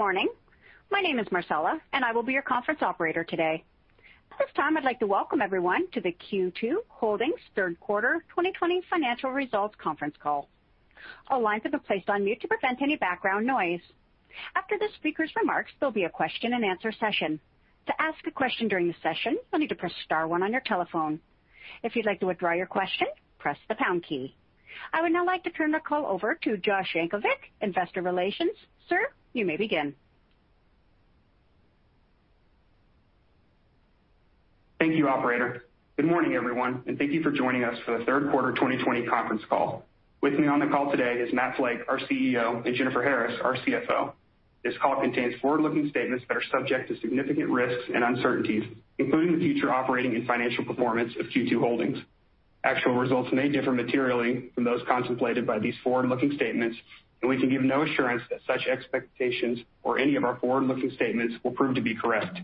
Good morning. My name is Marcella, and I will be your conference operator today. At this time, I'd like to welcome everyone to the Q2 Holdings Third Quarter 2020 Financial Results Conference Call. All lines have been placed on mute to prevent any background noise. After the speakers' remarks, there will be a question and answer session. To ask a question during the session, you will need to press star one on your telephone. If you would like to withdraw your question, press the pound key. I would now like to turn the call over to Josh Yankovich, investor relations. Sir, you may begin. Thank you, operator. Good morning, everyone. Thank you for joining us for the third quarter 2020 conference call. With me on the call today is Matt Flake, our CEO, and Jennifer Harris, our CFO. This call contains forward-looking statements that are subject to significant risks and uncertainties, including the future operating and financial performance of Q2 Holdings. Actual results may differ materially from those contemplated by these forward-looking statements. We can give no assurance that such expectations or any of our forward-looking statements will prove to be correct.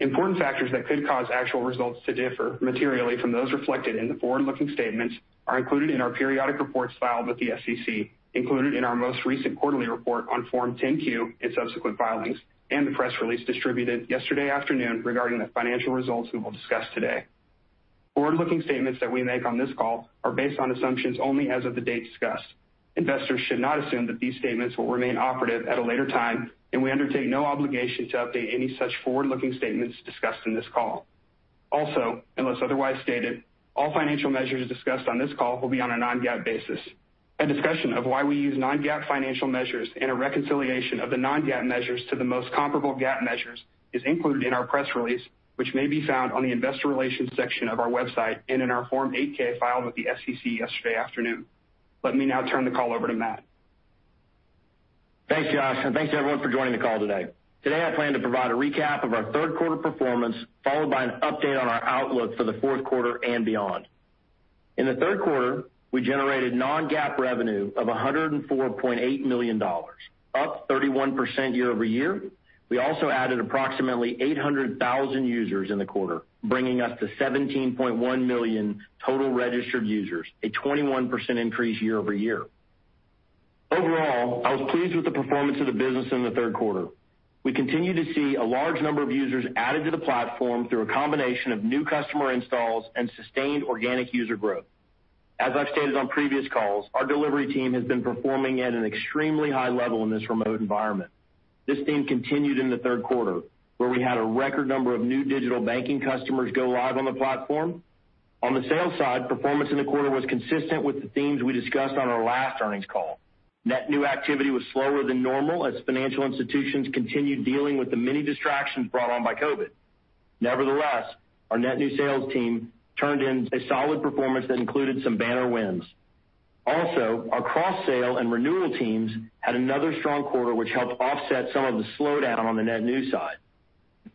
Important factors that could cause actual results to differ materially from those reflected in the forward-looking statements are included in our periodic reports filed with the SEC, included in our most recent quarterly report on Form 10-Q and subsequent filings, and the press release distributed yesterday afternoon regarding the financial results we will discuss today. Forward-looking statements that we make on this call are based on assumptions only as of the date discussed. Investors should not assume that these statements will remain operative at a later time, and we undertake no obligation to update any such forward-looking statements discussed in this call. Also, unless otherwise stated, all financial measures discussed on this call will be on a non-GAAP basis. A discussion of why we use non-GAAP financial measures and a reconciliation of the non-GAAP measures to the most comparable GAAP measures is included in our press release, which may be found on the investor relations section of our website and in our Form 8-K filed with the SEC yesterday afternoon. Let me now turn the call over to Matt. Thanks, Josh, and thanks to everyone for joining the call today. Today, I plan to provide a recap of our third quarter performance, followed by an update on our outlook for the fourth quarter and beyond. In the third quarter, we generated non-GAAP revenue of $104.8 million, up 31% year-over-year. We also added approximately 800,000 users in the quarter, bringing us to 17.1 million total registered users, a 21% increase year-over-year. Overall, I was pleased with the performance of the business in the third quarter. We continue to see a large number of users added to the platform through a combination of new customer installs and sustained organic user growth. As I've stated on previous calls, our delivery team has been performing at an extremely high level in this remote environment. This theme continued in the third quarter, where we had a record number of new digital banking customers go live on the platform. On the sales side, performance in the quarter was consistent with the themes we discussed on our last earnings call. Net new activity was slower than normal as financial institutions continued dealing with the many distractions brought on by COVID. Nevertheless, our net new sales team turned in a solid performance that included some banner wins. Also, our cross-sale and renewal teams had another strong quarter, which helped offset some of the slowdown on the net new side.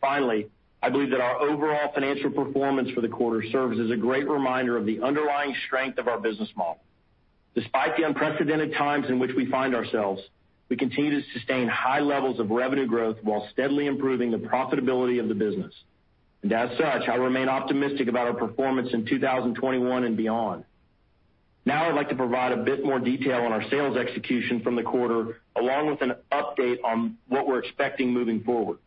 Finally, I believe that our overall financial performance for the quarter serves as a great reminder of the underlying strength of our business model. Despite the unprecedented times in which we find ourselves, we continue to sustain high levels of revenue growth while steadily improving the profitability of the business. As such, I remain optimistic about our performance in 2021 and beyond. Now, I'd like to provide a bit more detail on our sales execution from the quarter, along with an update on what we're expecting moving forward.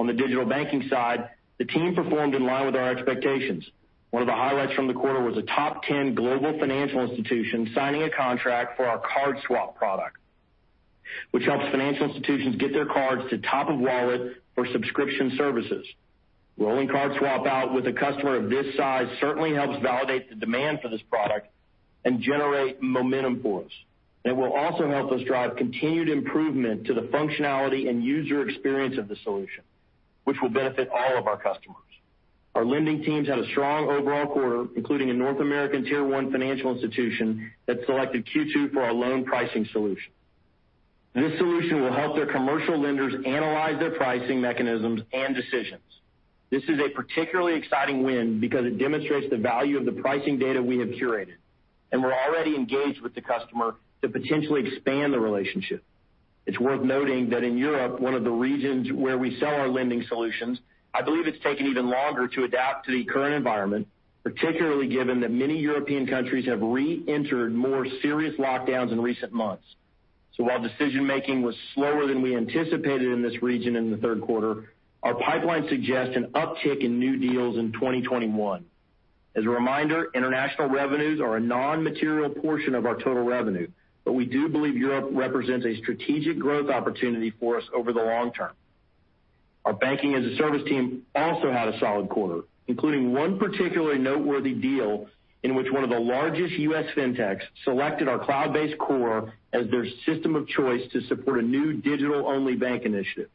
On the digital banking side, the team performed in line with our expectations. One of the highlights from the quarter was a top 10 global financial institution signing a contract for our CardSwap product, which helps financial institutions get their cards to top of wallet for subscription services. Rolling CardSwap out with a customer of this size certainly helps validate the demand for this product and generate momentum for us. It will also help us drive continued improvement to the functionality and user experience of the solution, which will benefit all of our customers. Our lending teams had a strong overall quarter, including a North American tier 1 financial institution that selected Q2 for our loan pricing solution. This solution will help their commercial lenders analyze their pricing mechanisms and decisions. This is a particularly exciting win because it demonstrates the value of the pricing data we have curated, and we're already engaged with the customer to potentially expand the relationship. It's worth noting that in Europe, one of the regions where we sell our lending solutions, I believe it's taken even longer to adapt to the current environment, particularly given that many European countries have reentered more serious lockdowns in recent months. While decision-making was slower than we anticipated in this region in the third quarter, our pipeline suggests an uptick in new deals in 2021. As a reminder, international revenues are a non-material portion of our total revenue, but we do believe Europe represents a strategic growth opportunity for us over the long term. Our Banking-as-a-Service team also had a solid quarter, including one particularly noteworthy deal in which one of the largest U.S. fintechs selected our cloud-based core as their system of choice to support a new digital-only bank initiative.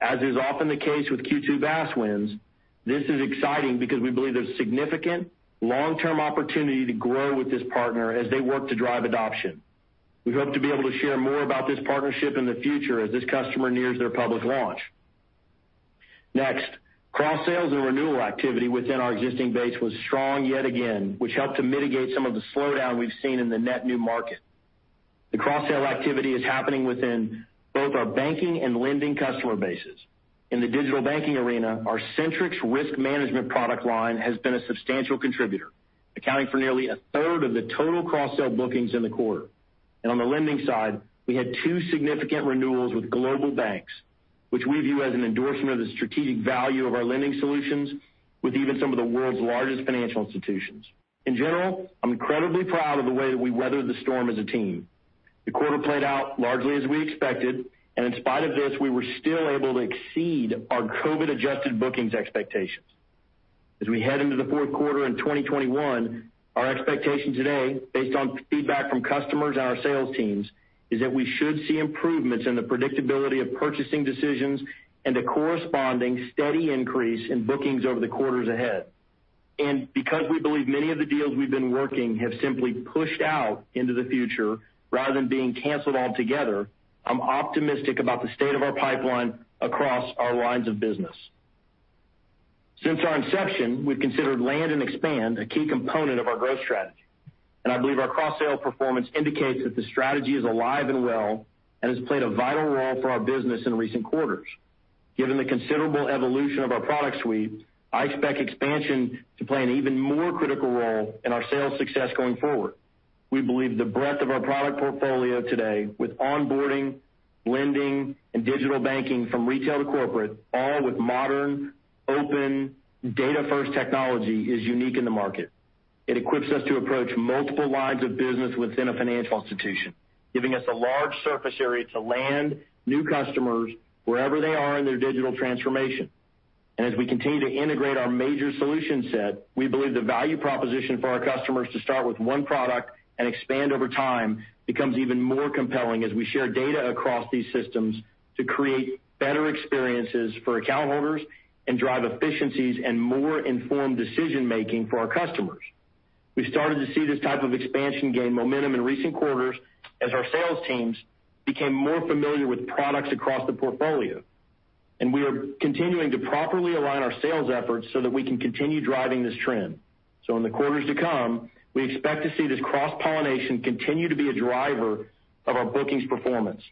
As is often the case with Q2 SaaS wins, this is exciting because we believe there is significant long-term opportunity to grow with this partner as they work to drive adoption. We hope to be able to share more about this partnership in the future as this customer nears their public launch. Cross-sales and renewal activity within our existing base was strong yet again, which helped to mitigate some of the slowdown we've seen in the net new market. The cross-sale activity is happening within both our banking and lending customer bases. In the digital banking arena, our Centrix risk management product line has been a substantial contributor, accounting for nearly a third of the total cross-sell bookings in the quarter. On the lending side, we had two significant renewals with global banks, which we view as an endorsement of the strategic value of our lending solutions with even some of the world's largest financial institutions. In general, I'm incredibly proud of the way that we weathered the storm as a team. The quarter played out largely as we expected, and in spite of this, we were still able to exceed our COVID-adjusted bookings expectations. As we head into the fourth quarter in 2021, our expectation today, based on feedback from customers and our sales teams, is that we should see improvements in the predictability of purchasing decisions and a corresponding steady increase in bookings over the quarters ahead. Because we believe many of the deals we've been working have simply pushed out into the future rather than being canceled altogether, I'm optimistic about the state of our pipeline across our lines of business. Since our inception, we've considered land and expand a key component of our growth strategy, and I believe our cross-sale performance indicates that the strategy is alive and well and has played a vital role for our business in recent quarters. Given the considerable evolution of our product suite, I expect expansion to play an even more critical role in our sales success going forward. We believe the breadth of our product portfolio today with onboarding, lending, and digital banking from retail to corporate, all with modern, open, data-first technology, is unique in the market. It equips us to approach multiple lines of business within a financial institution, giving us a large surface area to land new customers wherever they are in their digital transformation. As we continue to integrate our major solution set, we believe the value proposition for our customers to start with one product and expand over time becomes even more compelling as we share data across these systems to create better experiences for account holders and drive efficiencies and more informed decision-making for our customers. We started to see this type of expansion gain momentum in recent quarters as our sales teams became more familiar with products across the portfolio. We are continuing to properly align our sales efforts so that we can continue driving this trend. In the quarters to come, we expect to see this cross-pollination continue to be a driver of our bookings performance.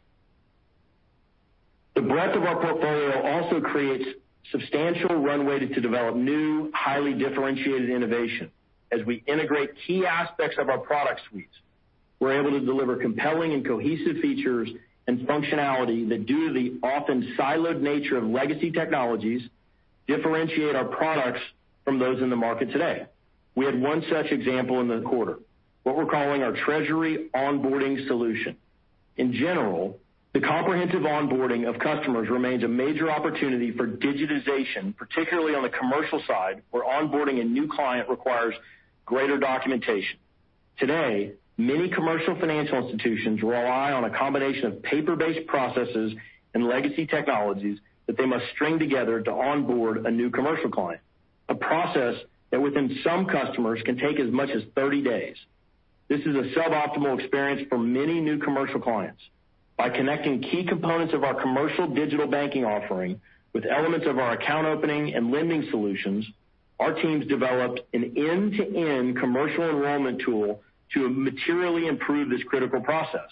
The breadth of our portfolio also creates substantial runway to develop new, highly differentiated innovation. As we integrate key aspects of our product suites, we're able to deliver compelling and cohesive features and functionality that due to the often siloed nature of legacy technologies, differentiate our products from those in the market today. We had one such example in the quarter, what we're calling our treasury onboarding solution. In general, the comprehensive onboarding of customers remains a major opportunity for digitization, particularly on the commercial side, where onboarding a new client requires greater documentation. Today, many commercial financial institutions rely on a combination of paper-based processes and legacy technologies that they must string together to onboard a new commercial client, a process that within some customers can take as much as 30 days. This is a suboptimal experience for many new commercial clients. By connecting key components of our commercial digital banking offering with elements of our account opening and lending solutions, our teams developed an end-to-end commercial enrollment tool to materially improve this critical process.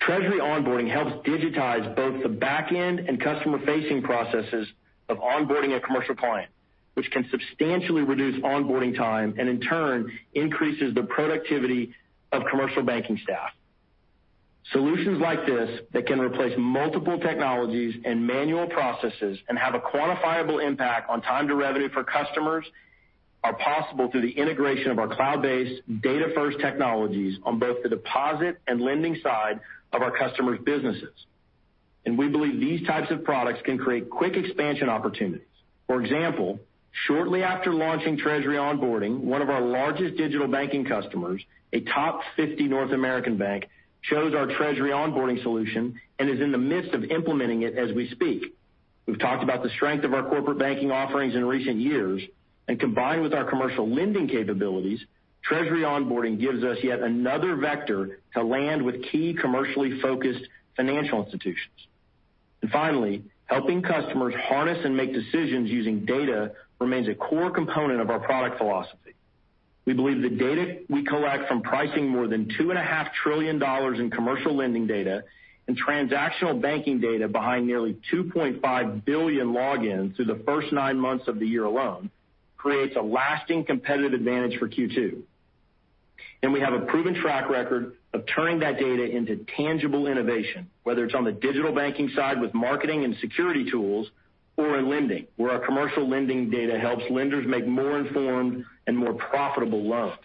Treasury onboarding helps digitize both the back end and customer-facing processes of onboarding a commercial client, which can substantially reduce onboarding time and in turn increases the productivity of commercial banking staff. Solutions like this that can replace multiple technologies and manual processes and have a quantifiable impact on time to revenue for customers are possible through the integration of our cloud-based, data-first technologies on both the deposit and lending side of our customers' businesses. We believe these types of products can create quick expansion opportunities. For example, shortly after launching Treasury Onboarding, one of our largest digital banking customers, a top 50 North American bank, chose our Treasury Onboarding solution and is in the midst of implementing it as we speak. We've talked about the strength of our corporate banking offerings in recent years, and combined with our commercial lending capabilities, Treasury Onboarding gives us yet another vector to land with key commercially focused financial institutions. Finally, helping customers harness and make decisions using data remains a core component of our product philosophy. We believe the data we collect from pricing more than $2.5 trillion in commercial lending data and transactional banking data behind nearly 2.5 billion logins through the first nine months of the year alone creates a lasting competitive advantage for Q2. We have a proven track record of turning that data into tangible innovation, whether it's on the digital banking side with marketing and security tools or in lending, where our commercial lending data helps lenders make more informed and more profitable loans.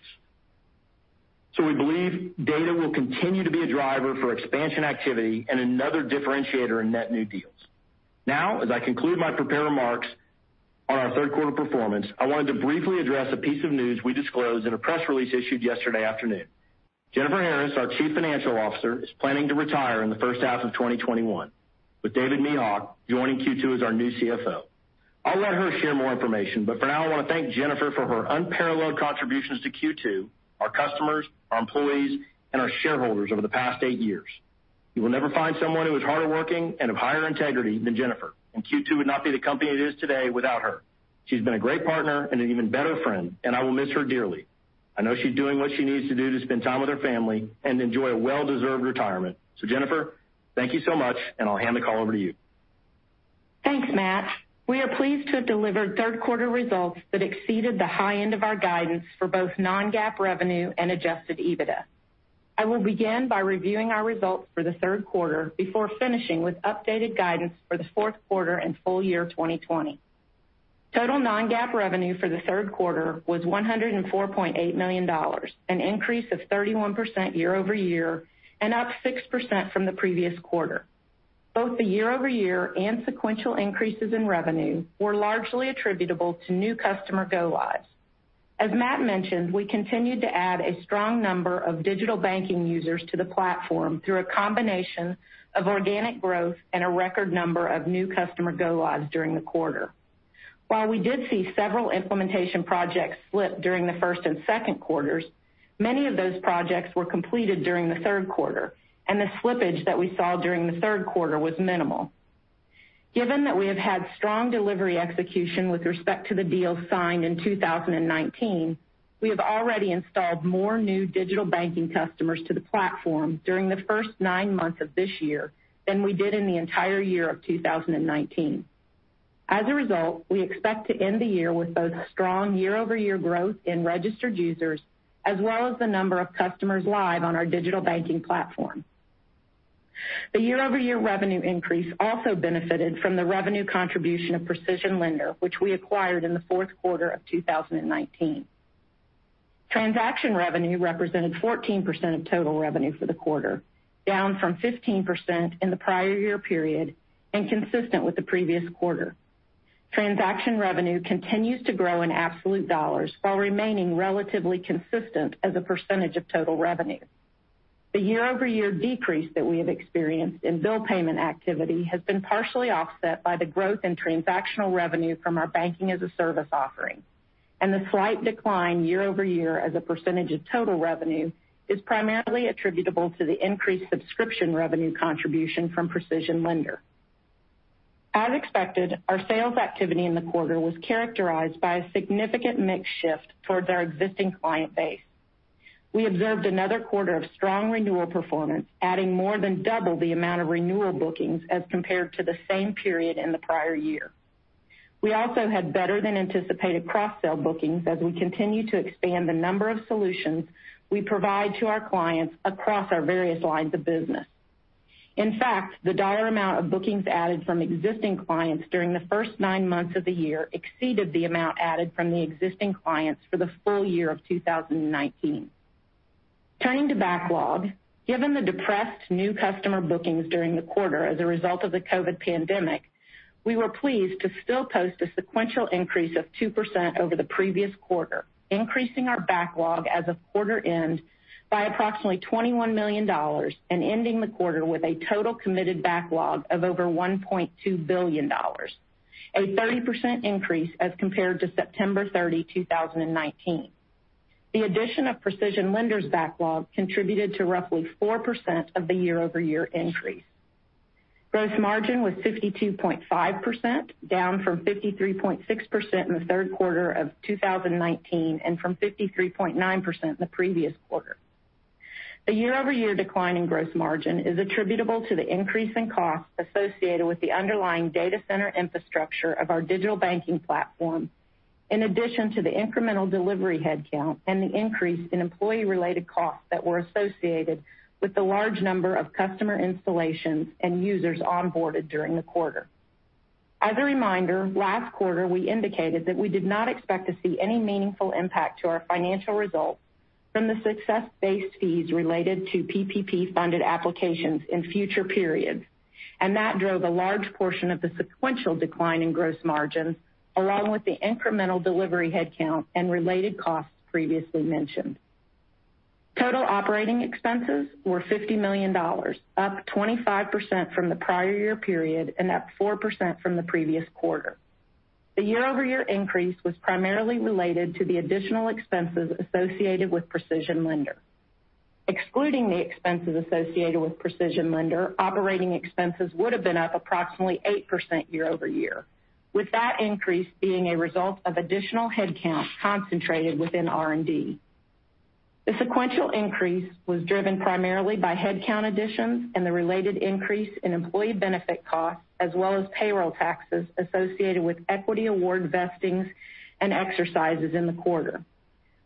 We believe data will continue to be a driver for expansion activity and another differentiator in net new deals. As I conclude my prepared remarks on our third quarter performance, I wanted to briefly address a piece of news we disclosed in a press release issued yesterday afternoon. Jennifer Harris, our chief financial officer, is planning to retire in the first half of 2021, with David Mehok joining Q2 as our new CFO. I'll let her share more information, but for now, I want to thank Jennifer for her unparalleled contributions to Q2, our customers, our employees, and our shareholders over the past eight years. You will never find someone who is harder working and of higher integrity than Jennifer, and Q2 would not be the company it is today without her. She's been a great partner and an even better friend, and I will miss her dearly. I know she's doing what she needs to do to spend time with her family and enjoy a well-deserved retirement. Jennifer, thank you so much, and I'll hand the call over to you. Thanks, Matt. We are pleased to have delivered third quarter results that exceeded the high end of our guidance for both non-GAAP revenue and adjusted EBITDA. I will begin by reviewing our results for the third quarter before finishing with updated guidance for the fourth quarter and full year 2020. Total non-GAAP revenue for the third quarter was $104.8 million, an increase of 31% year-over-year, and up 6% from the previous quarter. Both the year-over-year and sequential increases in revenue were largely attributable to new customer go lives. As Matt mentioned, we continued to add a strong number of digital banking users to the platform through a combination of organic growth and a record number of new customer go lives during the quarter. While we did see several implementation projects slip during the first and second quarters, many of those projects were completed during the third quarter, and the slippage that we saw during the third quarter was minimal. Given that we have had strong delivery execution with respect to the deals signed in 2019, we have already installed more new digital banking customers to the platform during the first nine months of this year than we did in the entire year of 2019. As a result, we expect to end the year with both strong year-over-year growth in registered users, as well as the number of customers live on our digital banking platform. The year-over-year revenue increase also benefited from the revenue contribution of PrecisionLender, which we acquired in the fourth quarter of 2019. Transaction revenue represented 14% of total revenue for the quarter, down from 15% in the prior year-over-year period and consistent with the previous quarter. Transaction revenue continues to grow in absolute dollars while remaining relatively consistent as a percentage of total revenue. The year-over-year decrease that we have experienced in bill payment activity has been partially offset by the growth in transactional revenue from our Banking-as-a-Service offering, and the slight decline year-over-year as a percentage of total revenue is primarily attributable to the increased subscription revenue contribution from PrecisionLender. As expected, our sales activity in the quarter was characterized by a significant mix shift towards our existing client base. We observed another quarter of strong renewal performance, adding more than double the amount of renewal bookings as compared to the same period in the prior year. We also had better than anticipated cross-sell bookings as we continue to expand the number of solutions we provide to our clients across our various lines of business. In fact, the dollar amount of bookings added from existing clients during the first nine months of the year exceeded the amount added from the existing clients for the full year of 2019. Turning to backlog, given the depressed new customer bookings during the quarter as a result of the COVID pandemic, we were pleased to still post a sequential increase of 2% over the previous quarter, increasing our backlog as of quarter end by approximately $21 million and ending the quarter with a total committed backlog of over $1.2 billion, a 30% increase as compared to September 30, 2019. The addition of PrecisionLender's backlog contributed to roughly 4% of the year-over-year increase. Gross margin was 52.5%, down from 53.6% in the third quarter of 2019 and from 53.9% in the previous quarter. The year-over-year decline in gross margin is attributable to the increase in costs associated with the underlying data center infrastructure of our digital banking platform, in addition to the incremental delivery headcount and the increase in employee-related costs that were associated with the large number of customer installations and users onboarded during the quarter. As a reminder, last quarter, we indicated that we did not expect to see any meaningful impact to our financial results from the success-based fees related to PPP-funded applications in future periods, that drove a large portion of the sequential decline in gross margins, along with the incremental delivery headcount and related costs previously mentioned. Total operating expenses were $50 million, up 25% from the prior year period and up 4% from the previous quarter. The year-over-year increase was primarily related to the additional expenses associated with PrecisionLender. Excluding the expenses associated with PrecisionLender, operating expenses would have been up approximately 8% year-over-year, with that increase being a result of additional headcount concentrated within R&D. The sequential increase was driven primarily by headcount additions and the related increase in employee benefit costs as well as payroll taxes associated with equity award vestings and exercises in the quarter.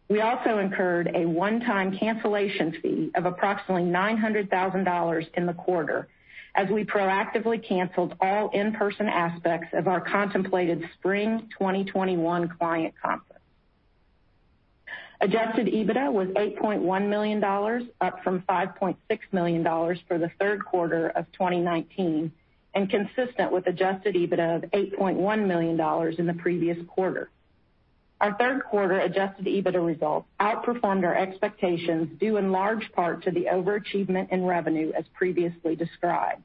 We also incurred a one-time cancellation fee of approximately $900,000 in the quarter as we proactively canceled all in-person aspects of our contemplated spring 2021 client conference. Adjusted EBITDA was $8.1 million, up from $5.6 million for the third quarter of 2019 and consistent with adjusted EBITDA of $8.1 million in the previous quarter. Our third quarter adjusted EBITDA results outperformed our expectations due in large part to the overachievement in revenue as previously described.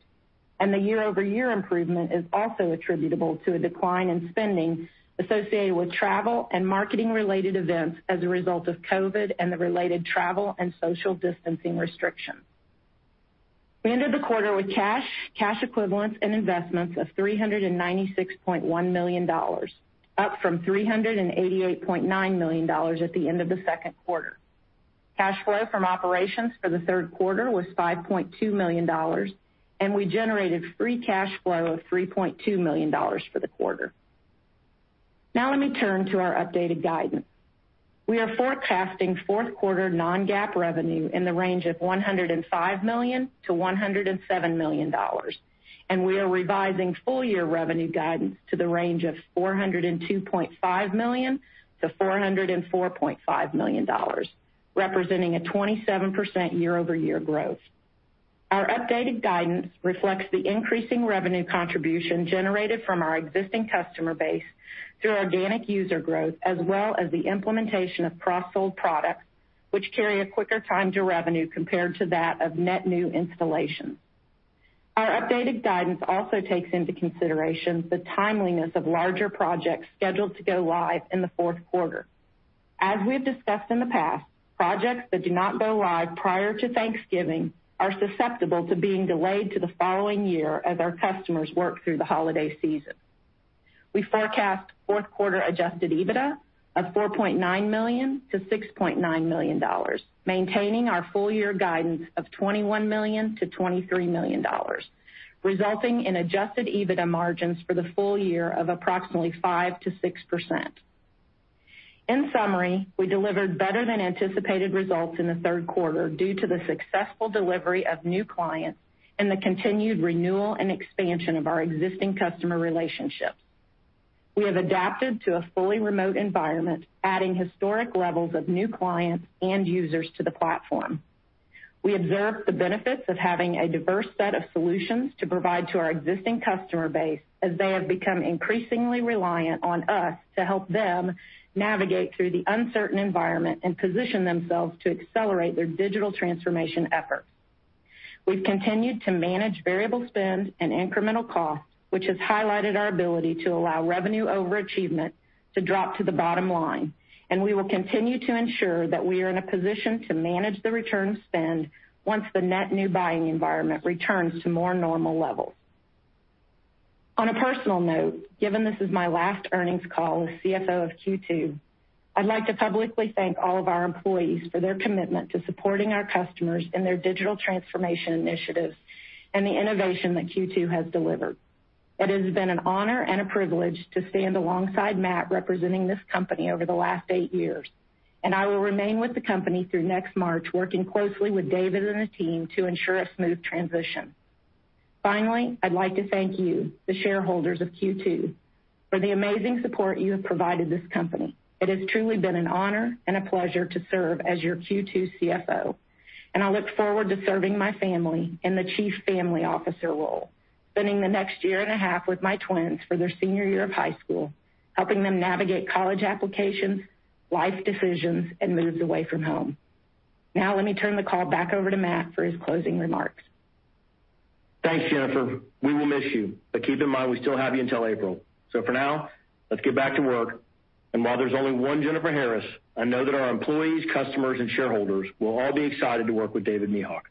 The year-over-year improvement is also attributable to a decline in spending associated with travel and marketing-related events as a result of COVID and the related travel and social distancing restrictions. We ended the quarter with cash equivalents, and investments of $396.1 million, up from $388.9 million at the end of the second quarter. Cash flow from operations for the third quarter was $5.2 million, and we generated free cash flow of $3.2 million for the quarter. Now let me turn to our updated guidance. We are forecasting fourth quarter non-GAAP revenue in the range of $105 million-$107 million. We are revising full-year revenue guidance to the range of $402.5 million-$404.5 million, representing a 27% year-over-year growth. Our updated guidance reflects the increasing revenue contribution generated from our existing customer base through organic user growth, as well as the implementation of cross-sold products, which carry a quicker time to revenue compared to that of net new installations. Our updated guidance also takes into consideration the timeliness of larger projects scheduled to go live in the fourth quarter. As we've discussed in the past, projects that do not go live prior to Thanksgiving are susceptible to being delayed to the following year as our customers work through the holiday season. We forecast fourth quarter adjusted EBITDA of $4.9 million-$6.9 million, maintaining our full-year guidance of $21 million-$23 million, resulting in adjusted EBITDA margins for the full year of approximately 5%-6%. In summary, we delivered better than anticipated results in the third quarter due to the successful delivery of new clients and the continued renewal and expansion of our existing customer relationships. We have adapted to a fully remote environment, adding historic levels of new clients and users to the platform. We observed the benefits of having a diverse set of solutions to provide to our existing customer base, as they have become increasingly reliant on us to help them navigate through the uncertain environment and position themselves to accelerate their digital transformation efforts. We've continued to manage variable spend and incremental costs, which has highlighted our ability to allow revenue overachievement to drop to the bottom line, and we will continue to ensure that we are in a position to manage the return of spend once the net new buying environment returns to more normal levels. On a personal note, given this is my last earnings call as CFO of Q2, I'd like to publicly thank all of our employees for their commitment to supporting our customers in their digital transformation initiatives and the innovation that Q2 has delivered. It has been an honor and a privilege to stand alongside Matt representing this company over the last eight years, and I will remain with the company through next March, working closely with David and the team to ensure a smooth transition. Finally, I'd like to thank you, the shareholders of Q2, for the amazing support you have provided this company. It has truly been an honor and a pleasure to serve as your Q2 CFO, and I look forward to serving my family in the chief family officer role, spending the next year and a half with my twins for their senior year of high school, helping them navigate college applications, life decisions, and moves away from home. Let me turn the call back over to Matt for his closing remarks. Thanks, Jennifer. We will miss you. Keep in mind, we still have you until April. For now, let's get back to work. While there's only one Jennifer Harris, I know that our employees, customers, and shareholders will all be excited to work with David Mehok.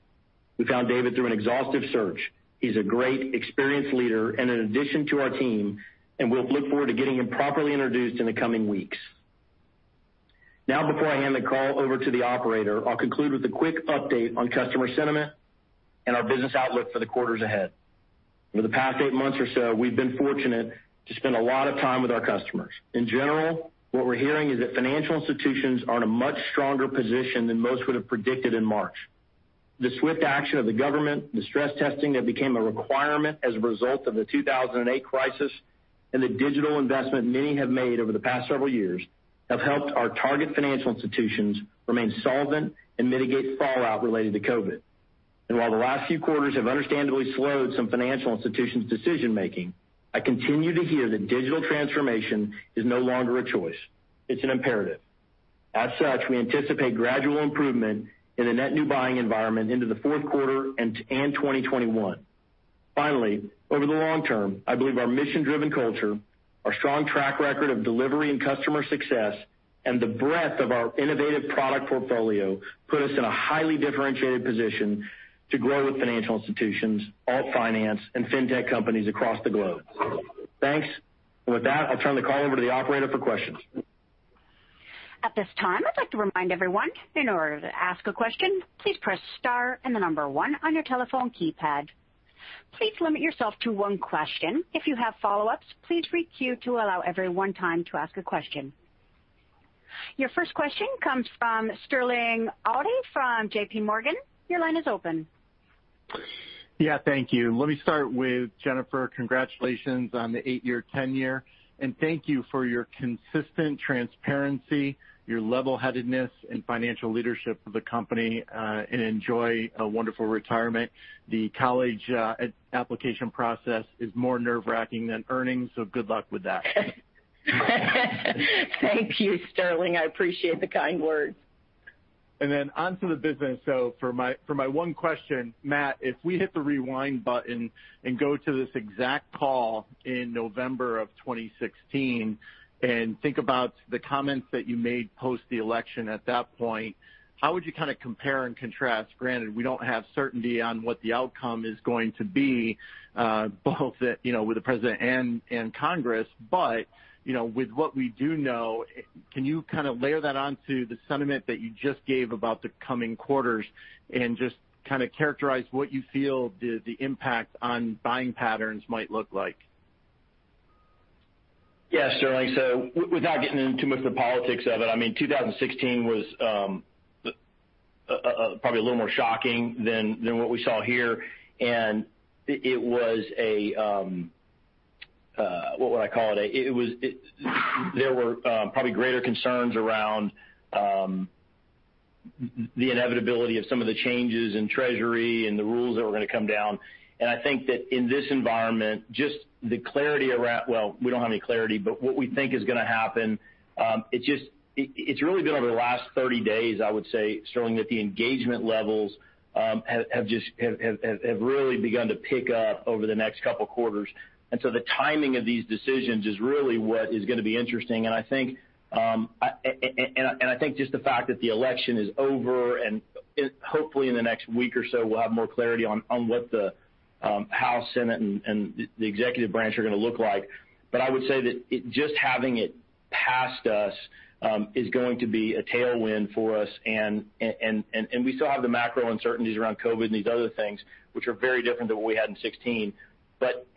We found David through an exhaustive search. He's a great, experienced leader and an addition to our team, and we'll look forward to getting him properly introduced in the coming weeks. Before I hand the call over to the operator, I'll conclude with a quick update on customer sentiment and our business outlook for the quarters ahead. Over the past eight months or so, we've been fortunate to spend a lot of time with our customers. In general, what we're hearing is that financial institutions are in a much stronger position than most would have predicted in March. The swift action of the government, the stress testing that became a requirement as a result of the 2008 crisis, and the digital investment many have made over the past several years have helped our target financial institutions remain solvent and mitigate fallout related to COVID. While the last few quarters have understandably slowed some financial institutions' decision-making, I continue to hear that digital transformation is no longer a choice. It's an imperative. As such, we anticipate gradual improvement in the net new buying environment into the fourth quarter and 2021. Finally, over the long term, I believe our mission-driven culture, our strong track record of delivery and customer success, and the breadth of our innovative product portfolio put us in a highly differentiated position to grow with financial institutions, alternative finance, and fintech companies across the globe. Thanks. With that, I'll turn the call over to the operator for questions. At this time I would like to remind everyone in order to as a question please press star and then the number one on your telephone keypad. Please limit yourself to one question. If you have a follow up please re queue to allow everyone time to ask question. Your first question comes from Sterling Auty from JPMorgan. Your line is open. Yeah. Thank you. Let me start with Jennifer. Congratulations on the eight-year tenure, and thank you for your consistent transparency, your levelheadedness and financial leadership of the company, and enjoy a wonderful retirement. The college application process is more nerve-wracking than earnings, so good luck with that. Thank you, Sterling. I appreciate the kind words. Onto the business. For my one question, Matt, if we hit the rewind button and go to this exact call in November of 2016 and think about the comments that you made post the election at that point, how would you kind of compare and contrast, granted we don't have certainty on what the outcome is going to be, both with the president and Congress, but with what we do know, can you kind of layer that onto the sentiment that you just gave about the coming quarters and just kind of characterize what you feel the impact on buying patterns might look like? Yes, Sterling. Without getting into too much of the politics of it, 2016 was probably a little more shocking than what we saw here. It was a, what would I call it? There were probably greater concerns around the inevitability of some of the changes in Treasury and the rules that were going to come down. I think that in this environment, just the clarity around Well, we don't have any clarity, but what we think is going to happen. It's really been over the last 30 days, I would say, Sterling, that the engagement levels have really begun to pick up over the next couple of quarters. The timing of these decisions is really what is going to be interesting. I think just the fact that the election is over, and hopefully in the next week or so, we'll have more clarity on what the House, Senate, and the executive branch are going to look like. I would say that just having it past us is going to be a tailwind for us. We still have the macro uncertainties around COVID and these other things, which are very different than what we had in 2016.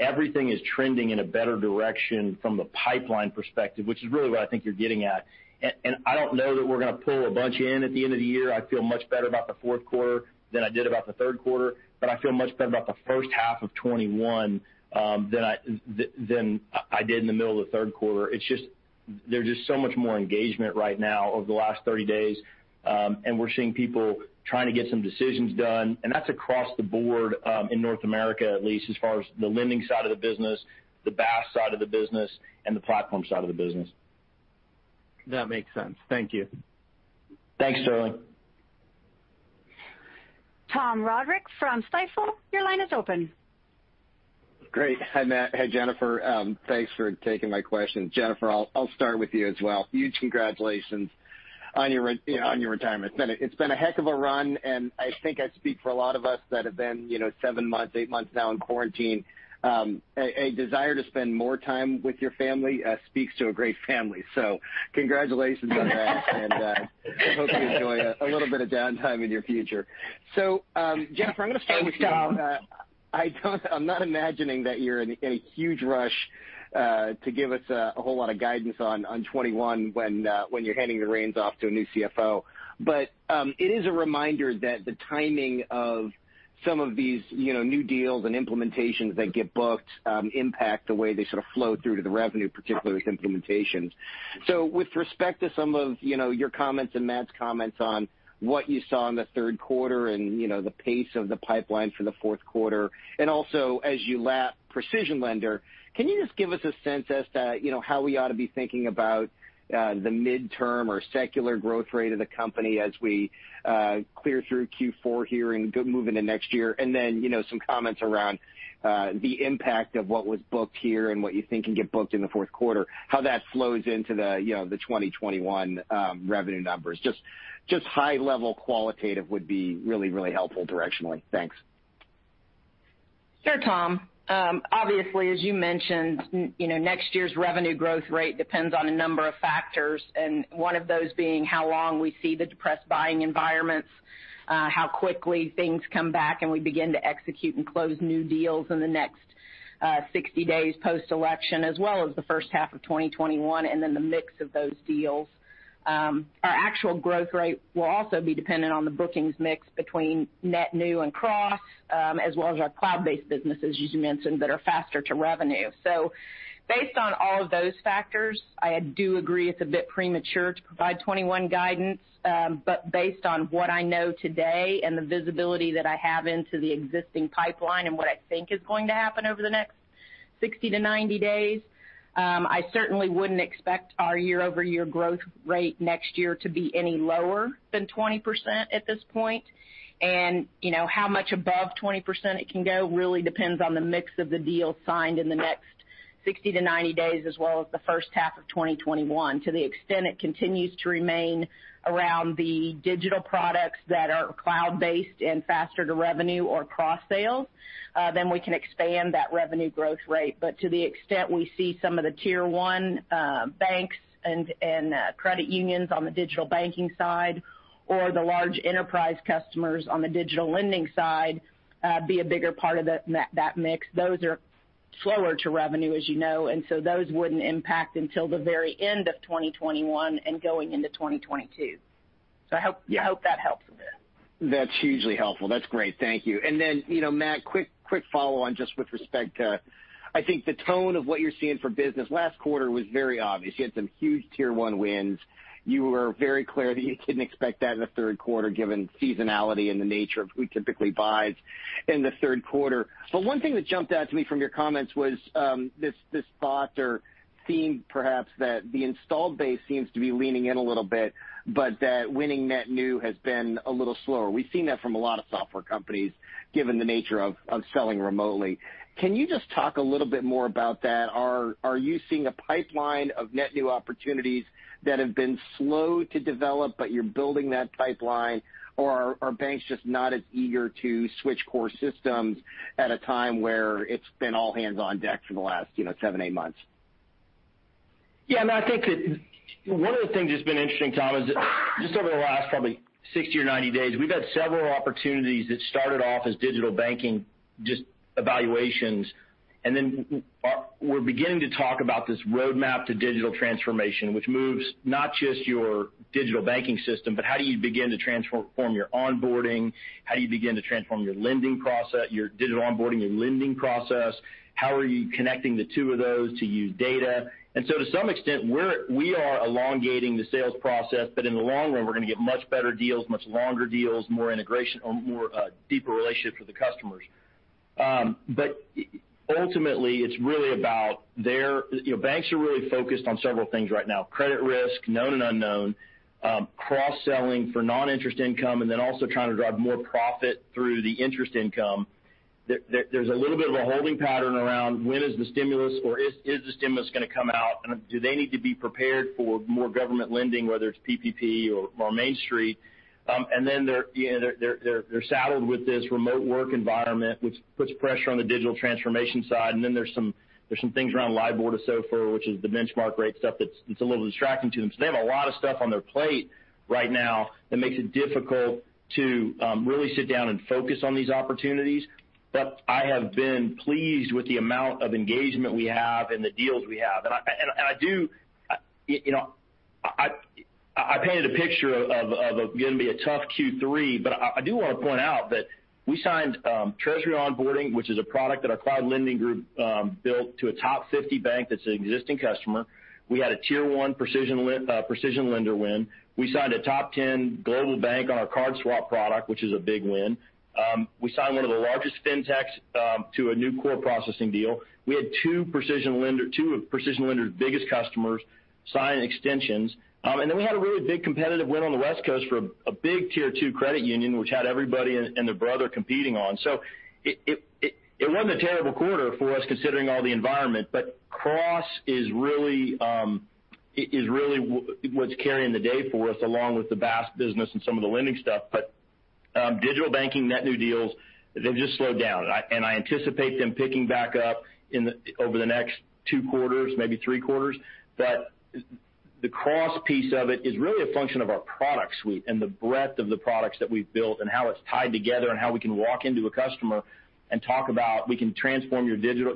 Everything is trending in a better direction from the pipeline perspective, which is really what I think you're getting at. I don't know that we're going to pull a bunch in at the end of the year. I feel much better about the fourth quarter than I did about the third quarter. I feel much better about the first half of 2021 than I did in the middle of the third quarter. There's just so much more engagement right now over the last 30 days. We're seeing people trying to get some decisions done, and that's across the board in North America, at least as far as the lending side of the business, the BaaS side of the business, and the platform side of the business. That makes sense. Thank you. Thanks, Sterling. Tom Roderick from Stifel, your line is open. Great. Hi, Matt. Hey, Jennifer. Thanks for taking my questions. Jennifer, I'll start with you as well. Huge congratulations on your retirement. It's been a heck of a run, and I think I speak for a lot of us that have been seven months, eight months now in quarantine. A desire to spend more time with your family speaks to a great family. Congratulations on that. I hope you enjoy a little bit of downtime in your future. Jennifer, I'm going to start with you. I'm not imagining that you're in a huge rush to give us a whole lot of guidance on 2021 when you're handing the reins off to a new CFO. It is a reminder that the timing of some of these new deals and implementations that get booked impact the way they sort of flow through to the revenue, particularly with implementations. With respect to some of your comments and Matt's comments on what you saw in the third quarter and the pace of the pipeline for the fourth quarter, also as you lap PrecisionLender, can you just give us a sense as to how we ought to be thinking about the midterm or secular growth rate of the company as we clear through Q4 here and move into next year? Then some comments around the impact of what was booked here and what you think can get booked in the fourth quarter, how that flows into the 2021 revenue numbers. Just high level qualitative would be really helpful directionally. Thanks. Sure, Tom. Obviously, as you mentioned, next year's revenue growth rate depends on a number of factors, and one of those being how long we see the depressed buying environments, how quickly things come back, and we begin to execute and close new deals in the next 60 days post-election, as well as the first half of 2021, and then the mix of those deals. Our actual growth rate will also be dependent on the bookings mix between net new and cross, as well as our cloud-based businesses, as you mentioned, that are faster to revenue. Based on all of those factors, I do agree it's a bit premature to provide 2021 guidance. Based on what I know today and the visibility that I have into the existing pipeline and what I think is going to happen over the next 60 to 90 days, I certainly wouldn't expect our year-over-year growth rate next year to be any lower than 20% at this point. How much above 20% it can go really depends on the mix of the deals signed in the next 60 to 90 days, as well as the first half of 2021. To the extent it continues to remain around the digital products that are cloud-based and faster to revenue or cross-sale, then we can expand that revenue growth rate. To the extent we see some of the tier one banks and credit unions on the digital banking side or the large enterprise customers on the digital lending side be a bigger part of that mix. Those are slower to revenue, as you know, and so those wouldn't impact until the very end of 2021 and going into 2022. I hope that helps a bit. That's hugely helpful. That's great. Thank you. Matt, quick follow on just with respect to, I think the tone of what you're seeing for business last quarter was very obvious. You had some huge tier one wins. You were very clear that you didn't expect that in the third quarter given seasonality and the nature of who typically buys in the third quarter. One thing that jumped out to me from your comments was this thought or theme, perhaps, that the installed base seems to be leaning in a little bit, but that winning net new has been a little slower. We've seen that from a lot of software companies, given the nature of selling remotely. Can you just talk a little bit more about that? Are you seeing a pipeline of net new opportunities that have been slow to develop, but you're building that pipeline? Are banks just not as eager to switch core systems at a time where it's been all hands on deck for the last seven, eight months? Yeah, I think one of the things that's been interesting, Tom, is just over the last probably 60 or 90 days, we've had several opportunities that started off as digital banking, just evaluations. We're beginning to talk about this roadmap to digital transformation, which moves not just your digital banking system, but how do you begin to transform your onboarding? How do you begin to transform your digital onboarding and lending process? How are you connecting the two of those to use data? To some extent, we are elongating the sales process, but in the long run, we're going to get much better deals, much longer deals, more integration, or deeper relationships with the customers. Ultimately, it's really about their banks are really focused on several things right now. Credit risk, known and unknown, cross-selling for non-interest income, also trying to drive more profit through the interest income. There's a little bit of a holding pattern around when is the stimulus or is the stimulus going to come out? Do they need to be prepared for more government lending, whether it's PPP or Main Street? They're saddled with this remote work environment, which puts pressure on the digital transformation side. There's some things around LIBOR to SOFR, which is the benchmark rate stuff that's a little distracting to them. They have a lot of stuff on their plate right now that makes it difficult to really sit down and focus on these opportunities. I have been pleased with the amount of engagement we have and the deals we have. I painted a picture of it going to be a tough Q3, but I do want to point out that we signed Treasury Onboarding, which is a product that our Cloud Lending group built to a top 50 bank that's an existing customer. We had a tier one PrecisionLender win. We signed a top 10 global bank on our CardSwap product, which is a big win. We signed one of the largest fintechs to a new core processing deal. We had two of PrecisionLender's biggest customers sign extensions. Then we had a really big competitive win on the West Coast for a big tier two credit union, which had everybody and their brother competing on. It wasn't a terrible quarter for us, considering all the environment. Cross is really what's carrying the day for us, along with the BaaS business and some of the lending stuff. Digital banking net new deals, they've just slowed down. I anticipate them picking back up over the next two quarters, maybe three quarters. The Cross piece of it is really a function of our product suite and the breadth of the products that we've built and how it's tied together and how we can walk into a customer and talk about we can transform your digital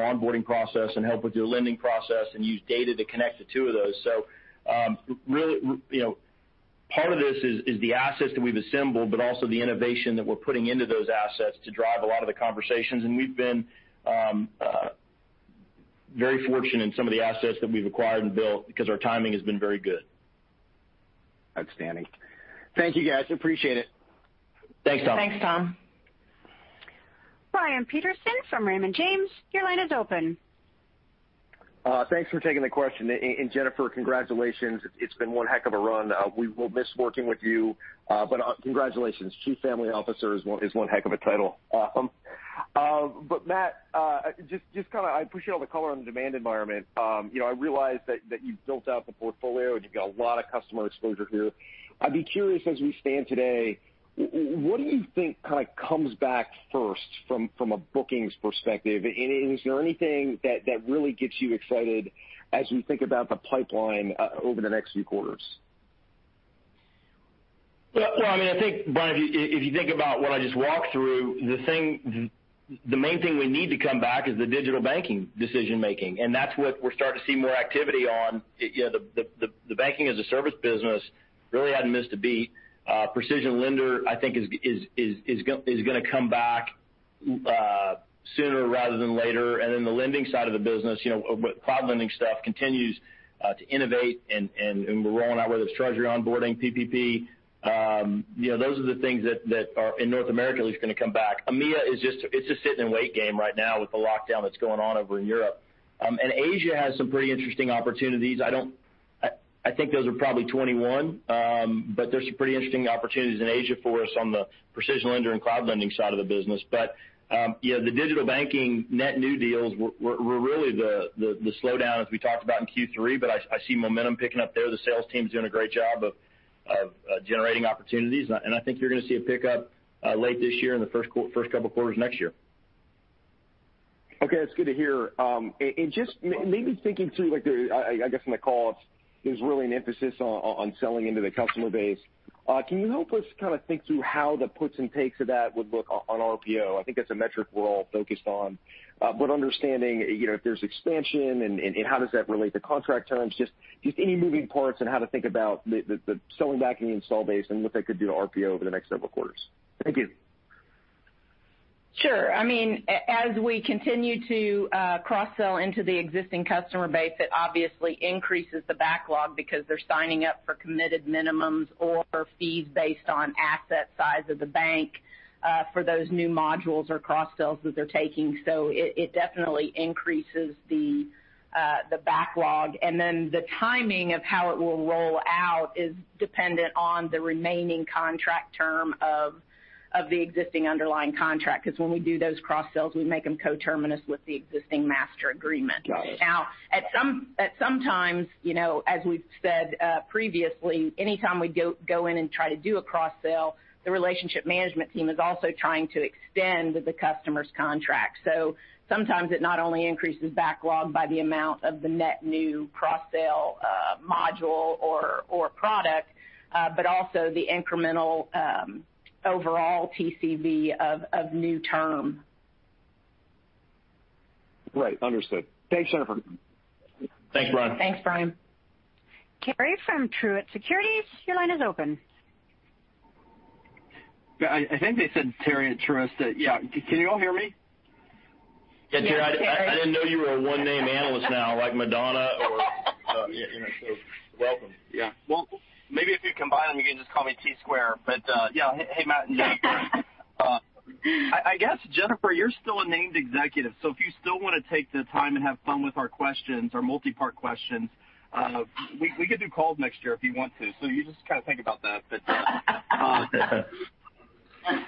onboarding process and help with your lending process and use data to connect the two of those. Really, part of this is the assets that we've assembled, but also the innovation that we're putting into those assets to drive a lot of the conversations. We've been very fortunate in some of the assets that we've acquired and built because our timing has been very good. Outstanding. Thank you, guys. Appreciate it. Thanks, Tom. Thanks, Tom. Brian Peterson from Raymond James, your line is open. Thanks for taking the question. Jennifer, congratulations. It's been one heck of a run. We will miss working with you. Congratulations. Chief Family Officer is one heck of a title. Matt, I appreciate all the color on the demand environment. I realize that you've built out the portfolio and you've got a lot of customer exposure here. I'd be curious as we stand today, what do you think comes back first from a bookings perspective? Is there anything that really gets you excited as we think about the pipeline over the next few quarters? Well, I think, Brian, if you think about what I just walked through, the main thing we need to come back is the digital banking decision-making. That's what we're starting to see more activity on. The Banking-as-a-Service business really hadn't missed a beat. PrecisionLender, I think, is going to come back sooner rather than later. The lending side of the business, Cloud Lending stuff continues to innovate and we're rolling out whether it's Treasury Onboarding, PPP. Those are the things that are in North America at least going to come back. EMEA, it's a sit-and-wait game right now with the lockdown that's going on over in Europe. Asia has some pretty interesting opportunities. I think those are probably 2021. There's some pretty interesting opportunities in Asia for us on the PrecisionLender and Cloud Lending side of the business. The digital banking net new deals were really the slowdown as we talked about in Q3. I see momentum picking up there. The sales team's doing a great job of generating opportunities. I think you're going to see a pickup late this year and the first couple quarters next year. Okay, that's good to hear. Just maybe thinking through, I guess in the call, there's really an emphasis on selling into the customer base. Can you help us kind of think through how the puts and takes of that would look on RPO? I think that's a metric we're all focused on. Understanding if there's expansion and how does that relate to contract terms, just any moving parts and how to think about the selling back in the install base and what that could do to RPO over the next several quarters. Thank you. Sure. As we continue to cross-sell into the existing customer base, it obviously increases the backlog because they're signing up for committed minimums or for fees based on asset size of the bank for those new modules or cross-sells that they're taking. It definitely increases the backlog. The timing of how it will roll out is dependent on the remaining contract term of the existing underlying contract. When we do those cross-sells, we make them coterminous with the existing master agreement. Got it. At some times, as we've said previously, anytime we go in and try to do a cross-sell, the relationship management team is also trying to extend the customer's contract. Sometimes it not only increases backlog by the amount of the net new cross-sell module or product, also the incremental overall TCV of new term. Right. Understood. Thanks, Jennifer. Thanks, Brian. Thanks, Brian. Terry from Truist Securities, your line is open. I think they said Terry at Truist. Can you all hear me? Yeah, Terry. I didn't know you were a one-name analyst now like Madonna or Welcome. Yeah. Well, maybe if you combine them, you can just call me T-Square. Yeah. Hey, Matt and Jennifer. I guess, Jennifer, you're still a named executive, so if you still want to take the time and have fun with our questions or multi-part questions, we could do calls next year if you want to. You just kind of think about that.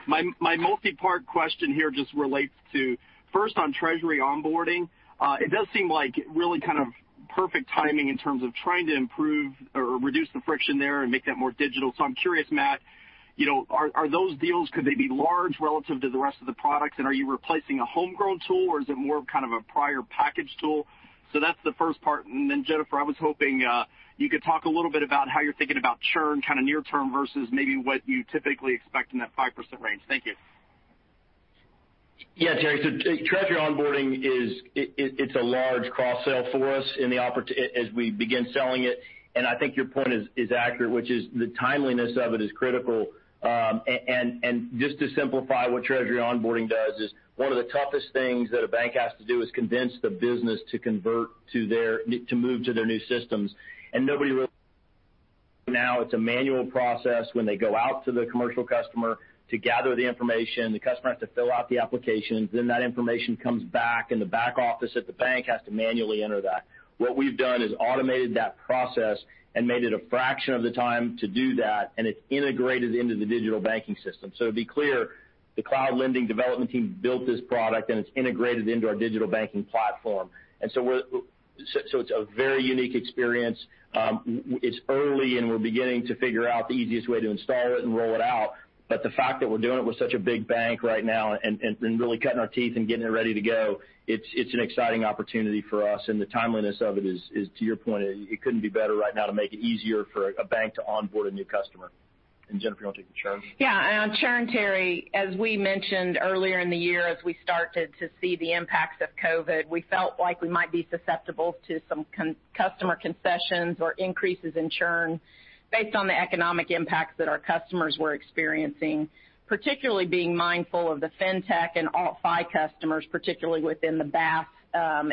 My multi-part question here just relates to, first, on treasury onboarding. It does seem like really kind of perfect timing in terms of trying to improve or reduce the friction there and make that more digital. I'm curious, Matt, are those deals, could they be large relative to the rest of the products? Are you replacing a homegrown tool or is it more of kind of a prior package tool? That's the first part. Jennifer, I was hoping you could talk a little bit about how you're thinking about churn kind of near term versus maybe what you typically expect in that 5% range. Thank you. Yeah, Terry. Treasury onboarding, it's a large cross-sell for us as we begin selling it. I think your point is accurate, which is the timeliness of it is critical. Just to simplify what treasury onboarding does is one of the toughest things that a bank has to do is convince the business to move to their new systems. Now it's a manual process when they go out to the commercial customer to gather the information. The customer has to fill out the applications, then that information comes back and the back office at the bank has to manually enter that. What we've done is automated that process and made it a fraction of the time to do that, and it's integrated into the digital banking system. To be clear, the Cloud Lending development team built this product and it's integrated into our digital banking platform. It's a very unique experience. It's early and we're beginning to figure out the easiest way to install it and roll it out. The fact that we're doing it with such a big bank right now and really cutting our teeth and getting it ready to go, it's an exciting opportunity for us. The timeliness of it is, to your point, it couldn't be better right now to make it easier for a bank to onboard a new customer. Jennifer, you want to take the churn? Yeah. On churn, Terry, as we mentioned earlier in the year as we started to see the impacts of COVID, we felt like we might be susceptible to some customer concessions or increases in churn based on the economic impacts that our customers were experiencing. Particularly being mindful of the fintech and AltFi customers, particularly within the BaaS,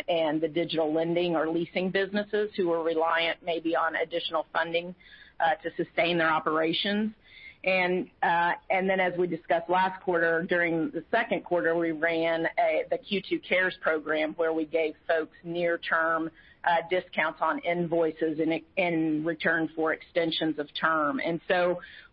and the digital lending or leasing businesses who are reliant maybe on additional funding to sustain their operations. As we discussed last quarter, during the second quarter, we ran the Q2 CARES program where we gave folks near-term discounts on invoices in return for extensions of term.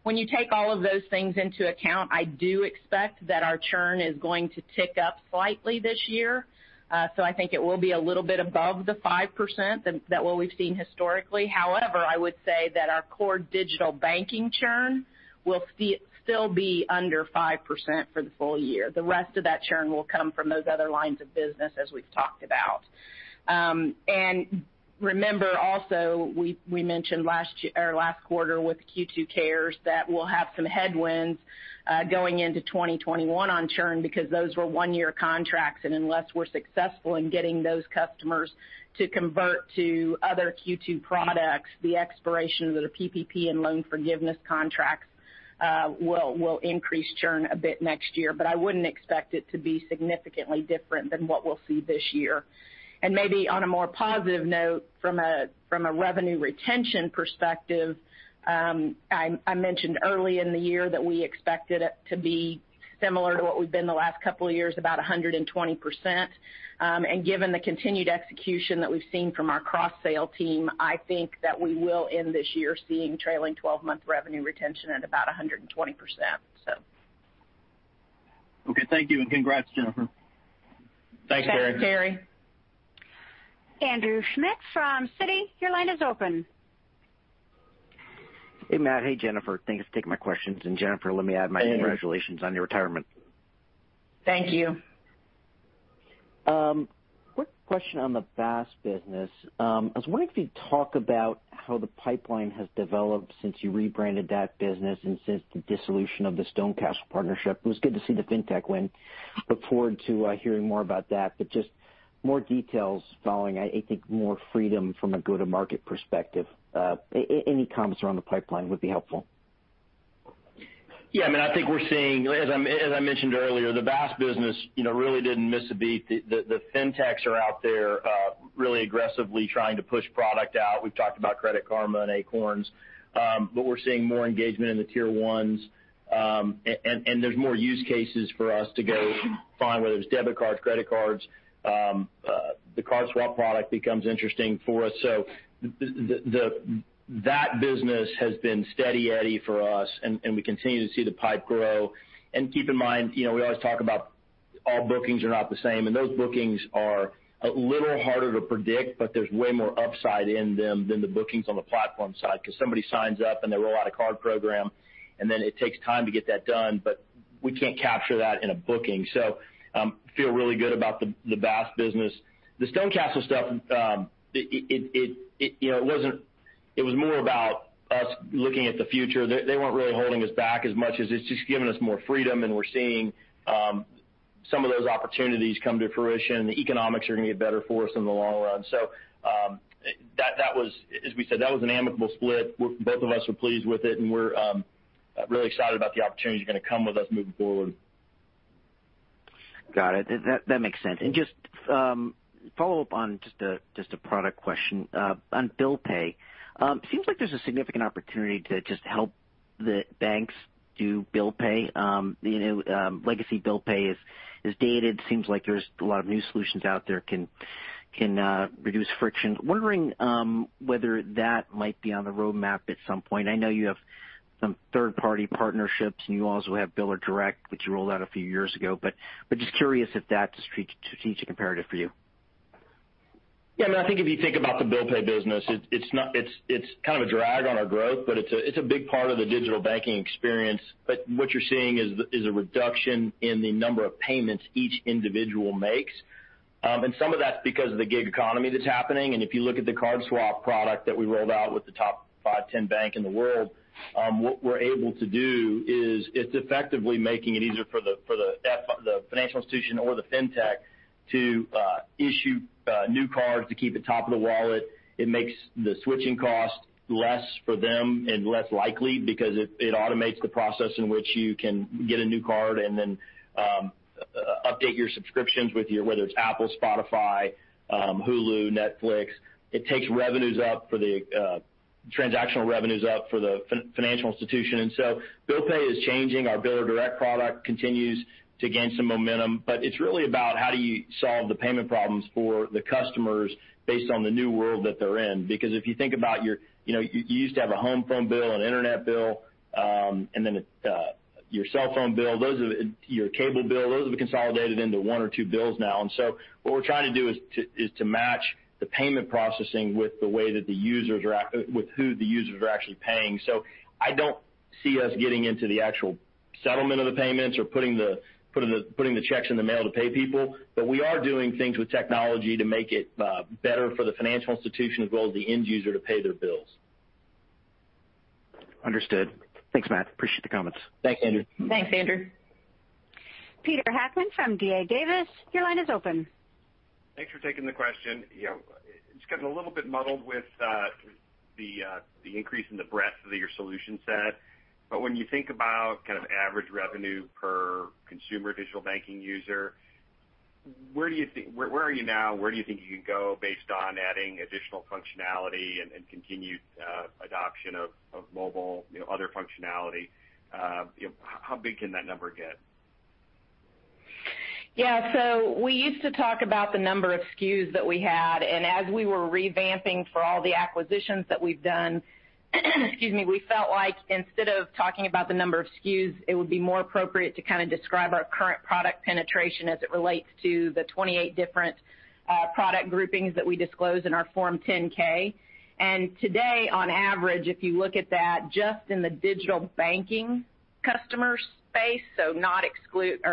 When you take all of those things into account, I do expect that our churn is going to tick up slightly this year. I think it will be a little bit above the 5% than what we've seen historically. I would say that our core digital banking churn will still be under 5% for the full year. The rest of that churn will come from those other lines of business as we've talked about. Remember also, we mentioned last quarter with Q2 CARES that we'll have some headwinds going into 2021 on churn because those were one-year contracts, and unless we're successful in getting those customers to convert to other Q2 products, the expiration of the PPP and loan forgiveness contracts will increase churn a bit next year. I wouldn't expect it to be significantly different than what we'll see this year. Maybe on a more positive note from a revenue retention perspective, I mentioned early in the year that we expected it to be similar to what we've been the last couple of years, about 120%. Given the continued execution that we've seen from our cross-sale team, I think that we will end this year seeing trailing 12-month revenue retention at about 120%. Okay, thank you, and congrats, Jennifer. Thanks, Terry. Thanks, Terry. Andrew Schmidt from Citi, your line is open. Hey, Matt. Hey, Jennifer. Thanks for taking my questions. Jennifer, let me add my congratulations on your retirement. Thank you. Quick question on the BaaS business. I was wondering if you'd talk about how the pipeline has developed since you rebranded that business and since the dissolution of the StoneCastle partnership. It was good to see the fintech win. Look forward to hearing more about that, just more details following, I think, more freedom from a go-to-market perspective. Any comments around the pipeline would be helpful. I mean, I think we're seeing, as I mentioned earlier, the BaaS business really didn't miss a beat. The fintechs are out there really aggressively trying to push product out. We've talked about Credit Karma and Acorns. We're seeing more engagement in the tier 1s. There's more use cases for us to go find, whether it's debit cards, credit cards. The CardSwap product becomes interesting for us. That business has been steady eddy for us, and we continue to see the pipe grow. Keep in mind, we always talk about all bookings are not the same, and those bookings are a little harder to predict, but there's way more upside in them than the bookings on the platform side because somebody signs up and they roll out a card program, and then it takes time to get that done. We can't capture that in a booking. Feel really good about the BaaS business. The StoneCastle stuff, it was more about us looking at the future. They weren't really holding us back as much as it's just giving us more freedom, and we're seeing some of those opportunities come to fruition. The economics are going to get better for us in the long run. As we said, that was an amicable split. Both of us were pleased with it, and we're really excited about the opportunities going to come with us moving forward. Got it. That makes sense. Just follow up on just a product question. On Bill Pay, seems like there's a significant opportunity to just help the banks do Bill Pay. Legacy Bill Pay is dated. Seems like there's a lot of new solutions out there can reduce friction. Wondering whether that might be on the roadmap at some point. I know you have some third-party partnerships, and you also have Biller Direct, which you rolled out a few years ago. Just curious if that's a strategic imperative for you. I think if you think about the Bill Pay business, it's a drag on our growth, but it's a big part of the digital banking experience. What you're seeing is a reduction in the number of payments each individual makes. Some of that's because of the gig economy that's happening. If you look at the CardSwap product that we rolled out with the top 5, 10 bank in the world, what we're able to do is it's effectively making it easier for the financial institution or the fintech to issue new cards to keep it top of the wallet. It makes the switching cost less for them and less likely because it automates the process in which you can get a new card and then update your subscriptions whether it's Apple, Spotify, Hulu, Netflix. It takes transactional revenues up for the financial institution. Bill Pay is changing. Our Biller Direct product continues to gain some momentum. It's really about how do you solve the payment problems for the customers based on the new world that they're in. If you think about you used to have a home phone bill, an internet bill, and then your cell phone bill, your cable bill. Those have been consolidated into one or two bills now. What we're trying to do is to match the payment processing with who the users are actually paying. I don't see us getting into the actual settlement of the payments or putting the checks in the mail to pay people. We are doing things with technology to make it better for the financial institution as well as the end user to pay their bills. Understood. Thanks, Matt. Appreciate the comments. Thanks, Andrew. Thanks, Andrew. Peter Heckmann from D.A. Davidson, your line is open. Thanks for taking the question. Just getting a little bit muddled with the increase in the breadth of your solution set. When you think about average revenue per consumer digital banking user, where are you now and where do you think you can go based on adding additional functionality and continued adoption of mobile, other functionality? How big can that number get? We used to talk about the number of SKUs that we had, and as we were revamping for all the acquisitions that we've done, we felt like instead of talking about the number of SKUs, it would be more appropriate to describe our current product penetration as it relates to the 28 different product groupings that we disclose in our Form 10-K. Today, on average, if you look at that, just in the digital banking customer space, so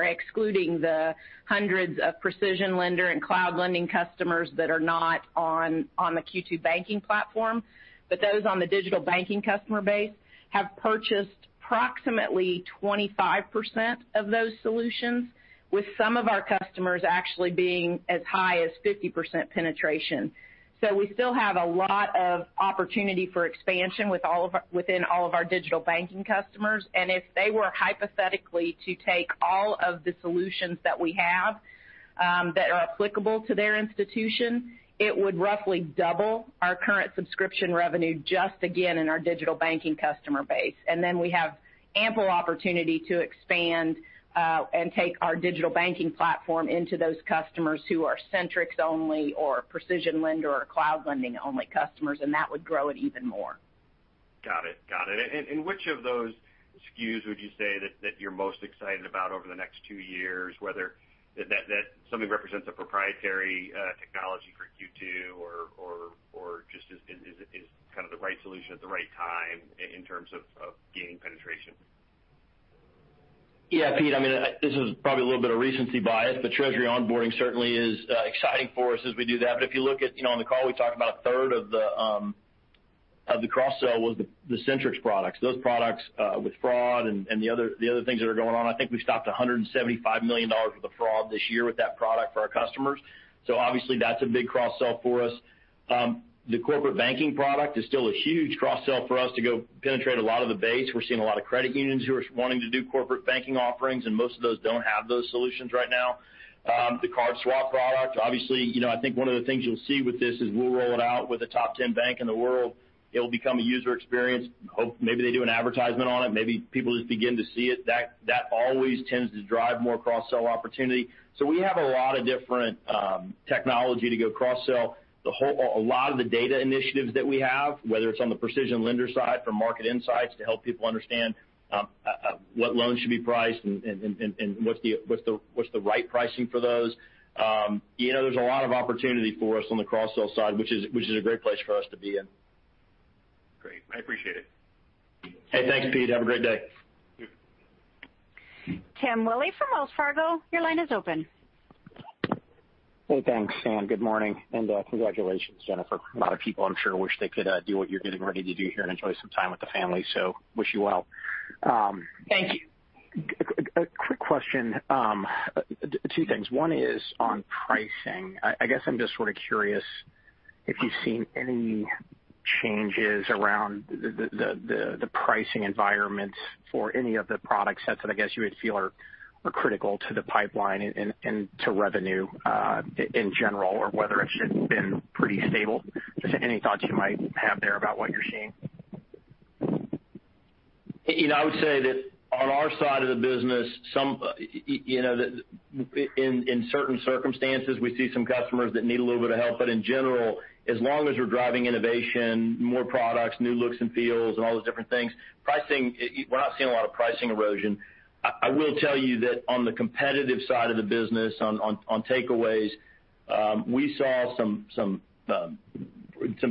excluding the hundreds of PrecisionLender and Cloud Lending customers that are not on the Q2 banking platform. Those on the digital banking customer base have purchased approximately 25% of those solutions, with some of our customers actually being as high as 50% penetration. We still have a lot of opportunity for expansion within all of our digital banking customers. If they were hypothetically to take all of the solutions that we have that are applicable to their institution, it would roughly double our current subscription revenue just again in our digital banking customer base. We have ample opportunity to expand and take our digital banking platform into those customers who are Centrix only or PrecisionLender or Cloud Lending-only customers, and that would grow it even more. Got it. Which of those SKUs would you say that you're most excited about over the next two years, whether that something represents a proprietary technology for Q2 or just is the right solution at the right time in terms of gaining penetration? Yeah, Pete, this is probably a little bit of recency bias, but treasury onboarding certainly is exciting for us as we do that. If you look on the call, we talked about a third of the cross-sell was the Centrix products. Those products with fraud and the other things that are going on. I think we stopped $175 million worth of fraud this year with that product for our customers. Obviously, that's a big cross-sell for us. The corporate banking product is still a huge cross-sell for us to go penetrate a lot of the base. We're seeing a lot of credit unions who are wanting to do corporate banking offerings, and most of those don't have those solutions right now. The CardSwap product, obviously, I think one of the things you'll see with this is we'll roll it out with a top 10 bank in the world. It'll become a user experience. Maybe they do an advertisement on it. Maybe people just begin to see it. That always tends to drive more cross-sell opportunity. We have a lot of different technology to go cross-sell. A lot of the data initiatives that we have, whether it's on the PrecisionLender side for market insights to help people understand what loans should be priced and what's the right pricing for those. There's a lot of opportunity for us on the cross-sell side, which is a great place for us to be in. Great. I appreciate it. Hey, thanks, Pete. Have a great day. You too. Tim Willi from Wells Fargo, your line is open. Hey, thanks. Good morning, and congratulations, Jennifer. A lot of people, I'm sure, wish they could do what you're getting ready to do here and enjoy some time with the family. Wish you well. Thank you. A quick question. Two things. One is on pricing. I guess I'm just sort of curious if you've seen any changes around the pricing environments for any of the product sets that I guess you would feel are critical to the pipeline and to revenue, in general, or whether it's just been pretty stable. Just any thoughts you might have there about what you're seeing. I would say that on our side of the business, in certain circumstances, we see some customers that need a little bit of help. In general, as long as we're driving innovation, more products, new looks and feels, and all those different things, we're not seeing a lot of pricing erosion. I will tell you that on the competitive side of the business, on takeaways, we saw some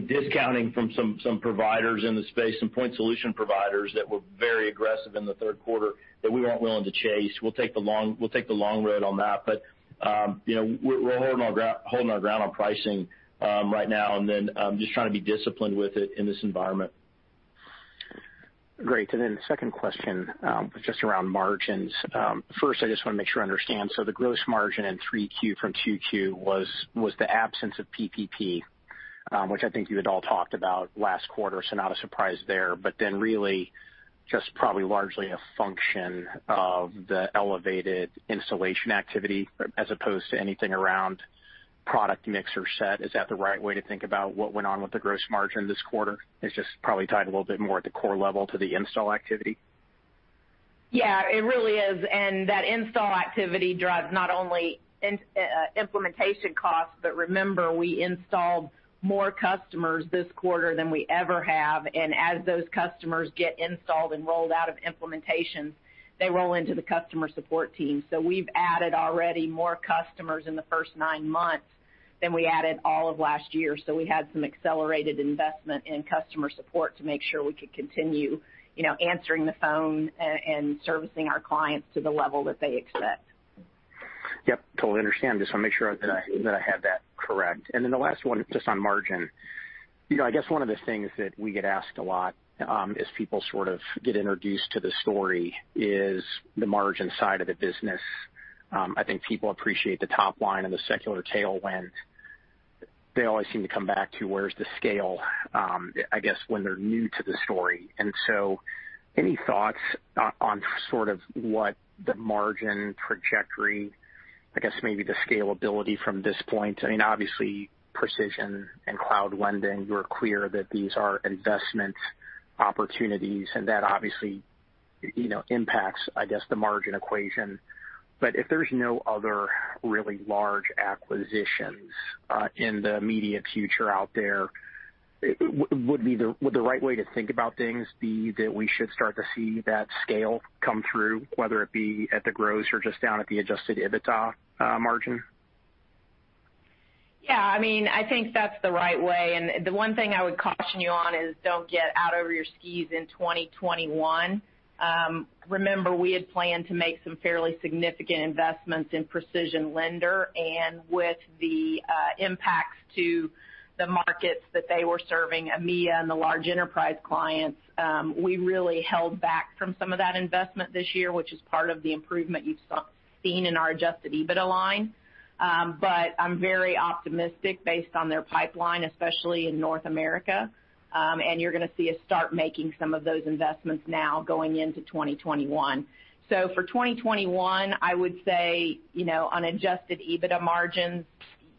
discounting from some providers in the space, some point solution providers that were very aggressive in the third quarter that we weren't willing to chase. We'll take the long road on that. We're holding our ground on pricing right now, and then just trying to be disciplined with it in this environment. Great. The second question, just around margins. First, I just want to make sure I understand. The gross margin in 3Q from 2Q was the absence of PPP, which I think you had all talked about last quarter, so not a surprise there. Really just probably largely a function of the elevated installation activity as opposed to anything around product mix or set. Is that the right way to think about what went on with the gross margin this quarter? It's just probably tied a little bit more at the core level to the install activity? Yeah, it really is. That install activity drives not only implementation costs. Remember, we installed more customers this quarter than we ever have. As those customers get installed and rolled out of implementation, they roll into the customer support team. We've added already more customers in the first nine months than we added all of last year. We had some accelerated investment in customer support to make sure we could continue answering the phone and servicing our clients to the level that they expect. Yep, totally understand. Just want to make sure that I have that correct. The last one, just on margin. I guess one of the things that we get asked a lot, as people sort of get introduced to the story, is the margin side of the business. I think people appreciate the top line and the secular tailwind. They always seem to come back to where's the scale, I guess, when they're new to the story. Any thoughts on sort of what the margin trajectory, I guess maybe the scalability from this point? Obviously Precision and Cloud Lending, you're clear that these are investment opportunities and that obviously impacts, I guess, the margin equation. If there's no other really large acquisitions in the immediate future out there, would the right way to think about things be that we should start to see that scale come through, whether it be at the gross or just down at the adjusted EBITDA margin? Yeah. I think that's the right way. The one thing I would caution you on is don't get out over your skis in 2021. Remember, we had planned to make some fairly significant investments in PrecisionLender, and with the impacts to the markets that they were serving, EMEA and the large enterprise clients, we really held back from some of that investment this year, which is part of the improvement you've seen in our adjusted EBITDA line. I'm very optimistic based on their pipeline, especially in North America. You're going to see us start making some of those investments now going into 2021. For 2021, I would say, on adjusted EBITDA margins,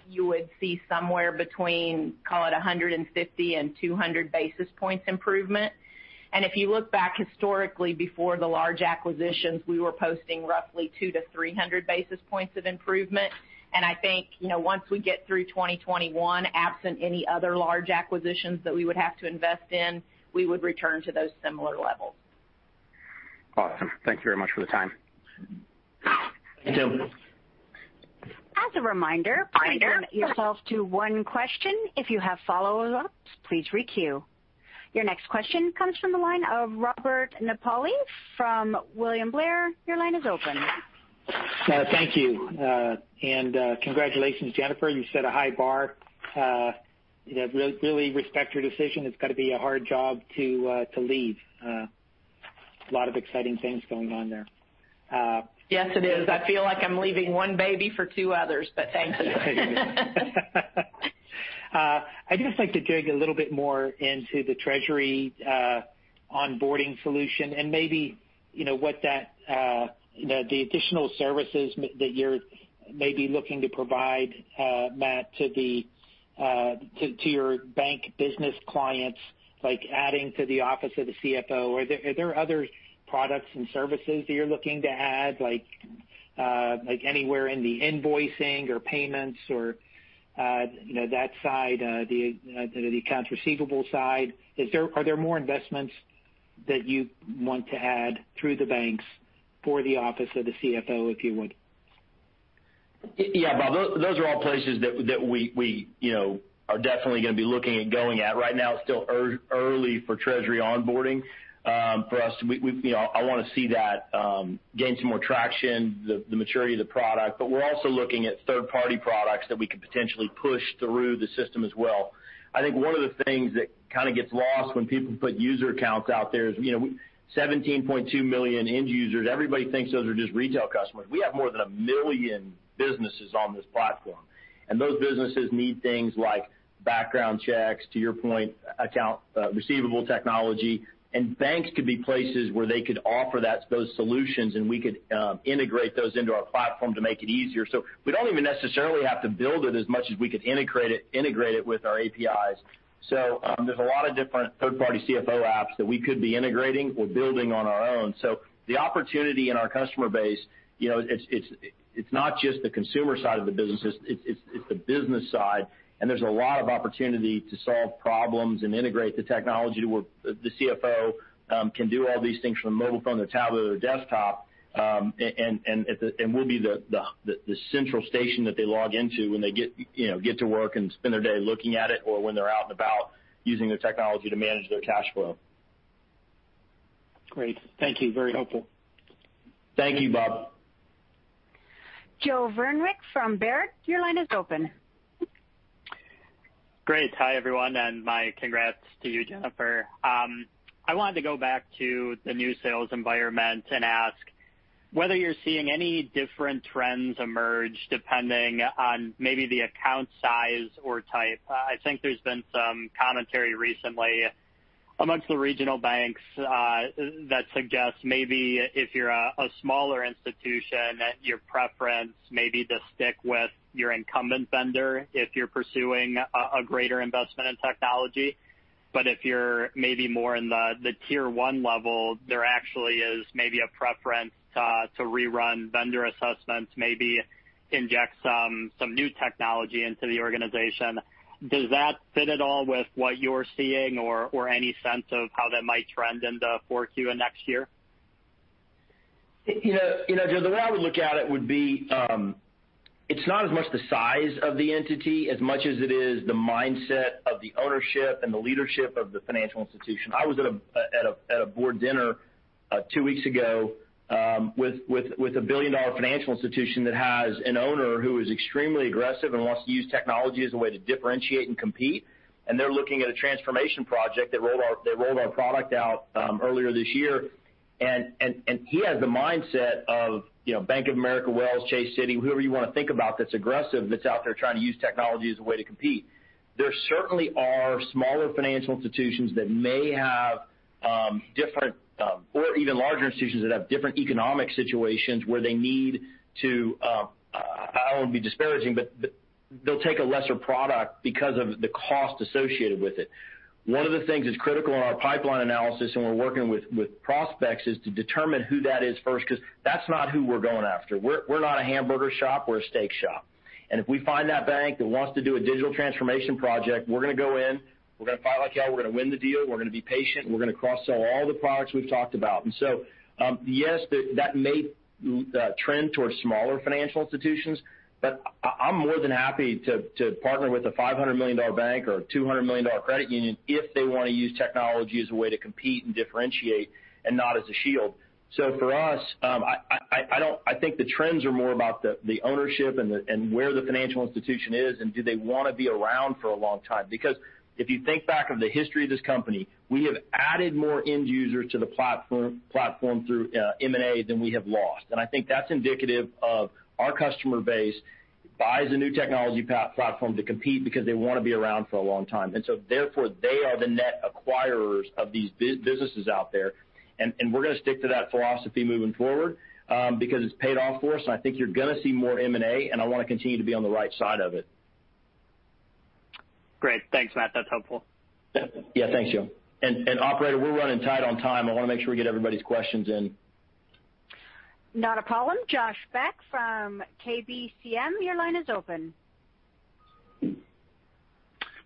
you would see somewhere between, call it 150 and 200 basis points improvement. If you look back historically, before the large acquisitions, we were posting roughly two to 300 basis points of improvement. I think, once we get through 2021, absent any other large acquisitions that we would have to invest in, we would return to those similar levels. Awesome. Thank you very much for the time. Thank you. As a reminder, please limit yourself to one question. If you have follow-ups, please re-queue. Your next question comes from the line of Robert Napoli from William Blair. Your line is open. Thank you. Congratulations, Jennifer. You set a high bar. Really respect your decision. It's got to be a hard job to leave. A lot of exciting things going on there. Yes, it is. I feel like I'm leaving one baby for two others, but thank you. I'd just like to dig a little bit more into the treasury onboarding solution and maybe the additional services that you're maybe looking to provide, Matt, to your bank business clients, like adding to the office of the CFO. Are there other products and services that you're looking to add, like anywhere in the invoicing or payments or that side, the accounts receivable side? Are there more investments that you want to add through the banks for the office of the CFO, if you would? Yeah, Bob, those are all places that we are definitely going to be looking at going at. Right now, it's still early for Treasury onboarding for us. I want to see that gain some more traction, the maturity of the product. We're also looking at third-party products that we could potentially push through the system as well. I think one of the things that kind of gets lost when people put user accounts out there is, 17.2 million end users. Everybody thinks those are just retail customers. We have more than 1 million businesses on this platform. Those businesses need things like background checks, to your point, account receivable technology. Banks could be places where they could offer those solutions, and we could integrate those into our platform to make it easier. We don't even necessarily have to build it as much as we could integrate it with our APIs. There's a lot of different third-party CFO apps that we could be integrating or building on our own. The opportunity in our customer base, it's not just the consumer side of the business, it's the business side. There's a lot of opportunity to solve problems and integrate the technology to where the CFO can do all these things from a mobile phone or tablet or desktop. We'll be the central station that they log into when they get to work and spend their day looking at it, or when they're out and about using the technology to manage their cash flow. Great. Thank you. Very helpful. Thank you, Bob. Joe Vruwink from Baird, your line is open. Great. Hi, everyone, and my congrats to you, Jennifer. I wanted to go back to the new sales environment and ask whether you're seeing any different trends emerge depending on maybe the account size or type. I think there's been some commentary recently amongst the regional banks that suggest maybe if you're a smaller institution, that your preference may be to stick with your incumbent vendor if you're pursuing a greater investment in technology. If you're maybe more in the tier 1 level, there actually is maybe a preference to rerun vendor assessments, maybe inject some new technology into the organization. Does that fit at all with what you're seeing or any sense of how that might trend in the 4Q and next year? Joe, the way I would look at it would be, it's not as much the size of the entity as much as it is the mindset of the ownership and the leadership of the financial institution. I was at a board dinner two weeks ago with a billion-dollar financial institution that has an owner who is extremely aggressive and wants to use technology as a way to differentiate and compete. They're looking at a transformation project that rolled our product out earlier this year. He has the mindset of Bank of America, Wells, Chase, Citi, whoever you want to think about that's aggressive, that's out there trying to use technology as a way to compete. There certainly are smaller financial institutions that may have different or even larger institutions that have different economic situations where they need to, I don't want to be disparaging, but they'll take a lesser product because of the cost associated with it. One of the things that's critical in our pipeline analysis, and we're working with prospects, is to determine who that is first, because that's not who we're going after. We're not a hamburger shop, we're a steak shop. If we find that bank that wants to do a digital transformation project, we're going to go in, we're going to fight like hell, we're going to win the deal, we're going to be patient, and we're going to cross-sell all the products we've talked about. Yes, that may trend towards smaller financial institutions, but I'm more than happy to partner with a $500 million bank or a $200 million credit union if they want to use technology as a way to compete and differentiate and not as a shield. For us, I think the trends are more about the ownership and where the financial institution is, and do they want to be around for a long time? Because if you think back on the history of this company, we have added more end users to the platform through M&A than we have lost. I think that's indicative of our customer base buys a new technology platform to compete because they want to be around for a long time. Therefore, they are the net acquirers of these businesses out there. We're going to stick to that philosophy moving forward because it's paid off for us, and I think you're going to see more M&A, and I want to continue to be on the right side of it. Great. Thanks, Matt. That's helpful. Yeah. Thanks, Joe. Operator, we're running tight on time. I want to make sure we get everybody's questions in. Not a problem. Josh Beck from KBCM, your line is open.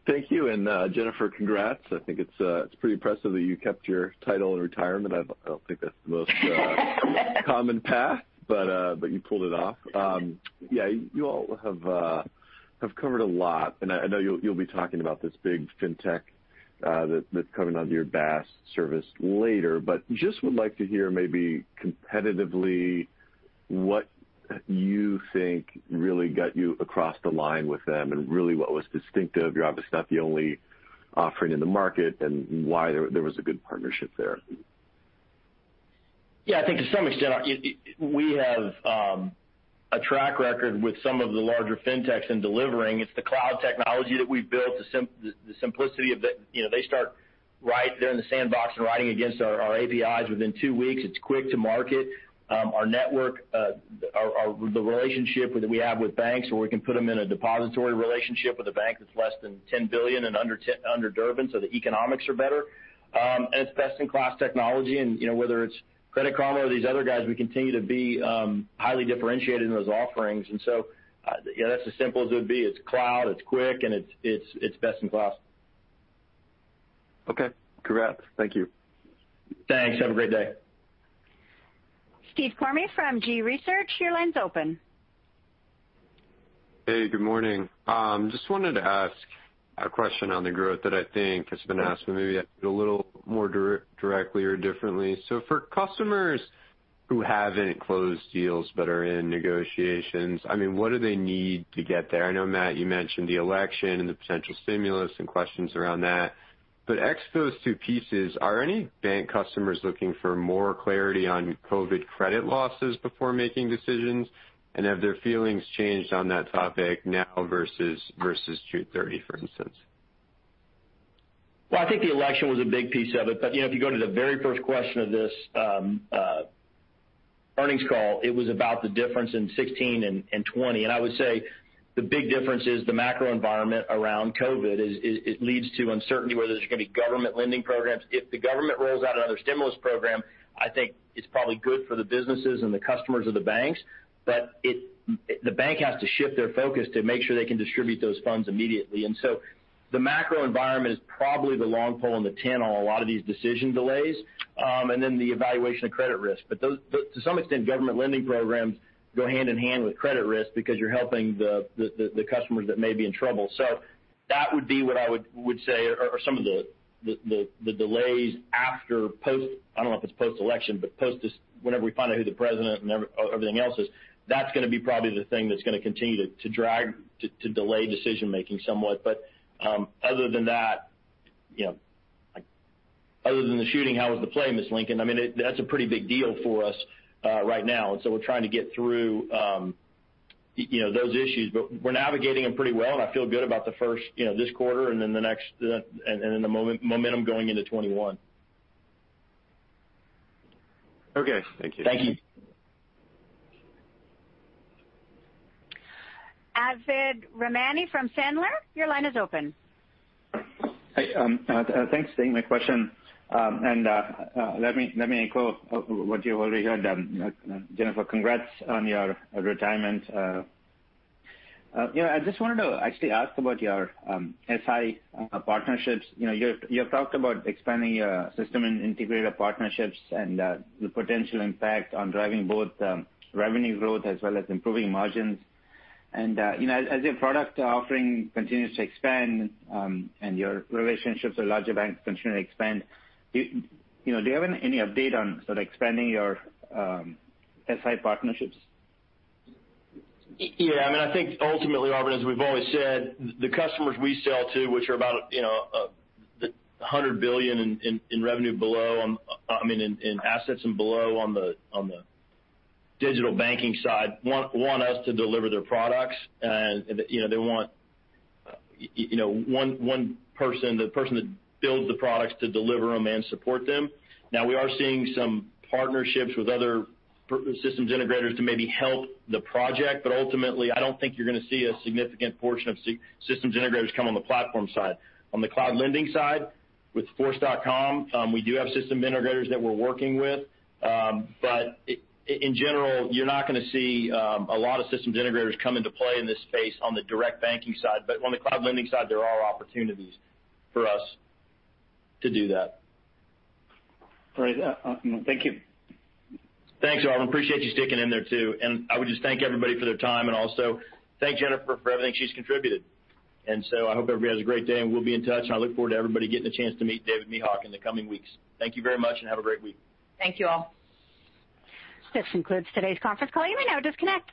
Thank you, Jennifer, congrats. I think it's pretty impressive that you kept your title in retirement. I don't think that's the most common path, but you pulled it off. You all have covered a lot, and I know you'll be talking about this big fintech that's coming onto your BaaS service later, but just would like to hear maybe competitively what you think really got you across the line with them and really what was distinctive. You're obviously not the only offering in the market, and why there was a good partnership there. Yeah, I think to some extent, we have a track record with some of the larger fintechs in delivering. It's the cloud technology that we've built, the simplicity of they start right there in the sandbox and writing against our APIs within two weeks. It's quick to market. Our network, the relationship that we have with banks where we can put them in a depository relationship with a bank that's less than $10 billion and under Durbin, the economics are better. It's best-in-class technology, and whether it's Credit Karma or these other guys, we continue to be highly differentiated in those offerings. That's as simple as it would be. It's cloud, it's quick, and it's best in class. Okay. Congrats. Thank you. Thanks. Have a great day. Steve Cromie from G-Research, your line's open. Good morning. Just wanted to ask a question on the growth that I think has been asked, but maybe a little more directly or differently. For customers who haven't closed deals but are in negotiations, what do they need to get there? I know, Matt, you mentioned the election and the potential stimulus and questions around that, but X those two pieces. Are any bank customers looking for more clarity on COVID credit losses before making decisions? Have their feelings changed on that topic now versus Q3, for instance? I think the election was a big piece of it. If you go to the very first question of this earnings call, it was about the difference in 2016 and 2020. I would say the big difference is the macro environment around COVID. It leads to uncertainty whether there's going to be government lending programs. If the government rolls out another stimulus program, I think it's probably good for the businesses and the customers of the banks. The bank has to shift their focus to make sure they can distribute those funds immediately. The macro environment is probably the long pole in the tent on a lot of these decision delays, and then the evaluation of credit risk. To some extent, government lending programs go hand in hand with credit risk because you're helping the customers that may be in trouble. That would be what I would say are some of the delays after post, I don't know if it's post-election, but whenever we find out who the president and everything else is. That's going to be probably the thing that's going to continue to delay decision-making somewhat. Other than that, other than the shooting, how was the play, Miss Lincoln? That's a pretty big deal for us right now, and so we're trying to get through those issues. We're navigating them pretty well, and I feel good about this quarter and then the momentum going into 2021. Okay. Thank you. Thank you. Arvind Ramnani from Sandler, your line is open. Hi. Thanks for taking my question. Let me echo what you already heard. Jennifer, congrats on your retirement. I just wanted to actually ask about your SI partnerships. You've talked about expanding your system integrator partnerships and the potential impact on driving both revenue growth as well as improving margins. As your product offering continues to expand and your relationships with larger banks continue to expand, do you have any update on expanding your SI partnerships? I think ultimately, Arvind, as we've always said, the customers we sell to, which are about $100 billion in assets and below on the digital banking side, want us to deliver their products. They want one person, the person that builds the products to deliver them and support them. We are seeing some partnerships with other systems integrators to maybe help the project. Ultimately, I don't think you're going to see a significant portion of systems integrators come on the platform side. On the Cloud Lending side with Force.com, we do have system integrators that we're working with. In general, you're not going to see a lot of systems integrators come into play in this space on the direct banking side. On the Cloud Lending side, there are opportunities for us to do that. Great. Thank you. Thanks, Arvind. Appreciate you sticking in there too. I would just thank everybody for their time and also thank Jennifer for everything she's contributed. I hope everybody has a great day, and we'll be in touch. I look forward to everybody getting a chance to meet David Mehok in the coming weeks. Thank you very much and have a great week. Thank you all. This concludes today's conference call. You may now disconnect.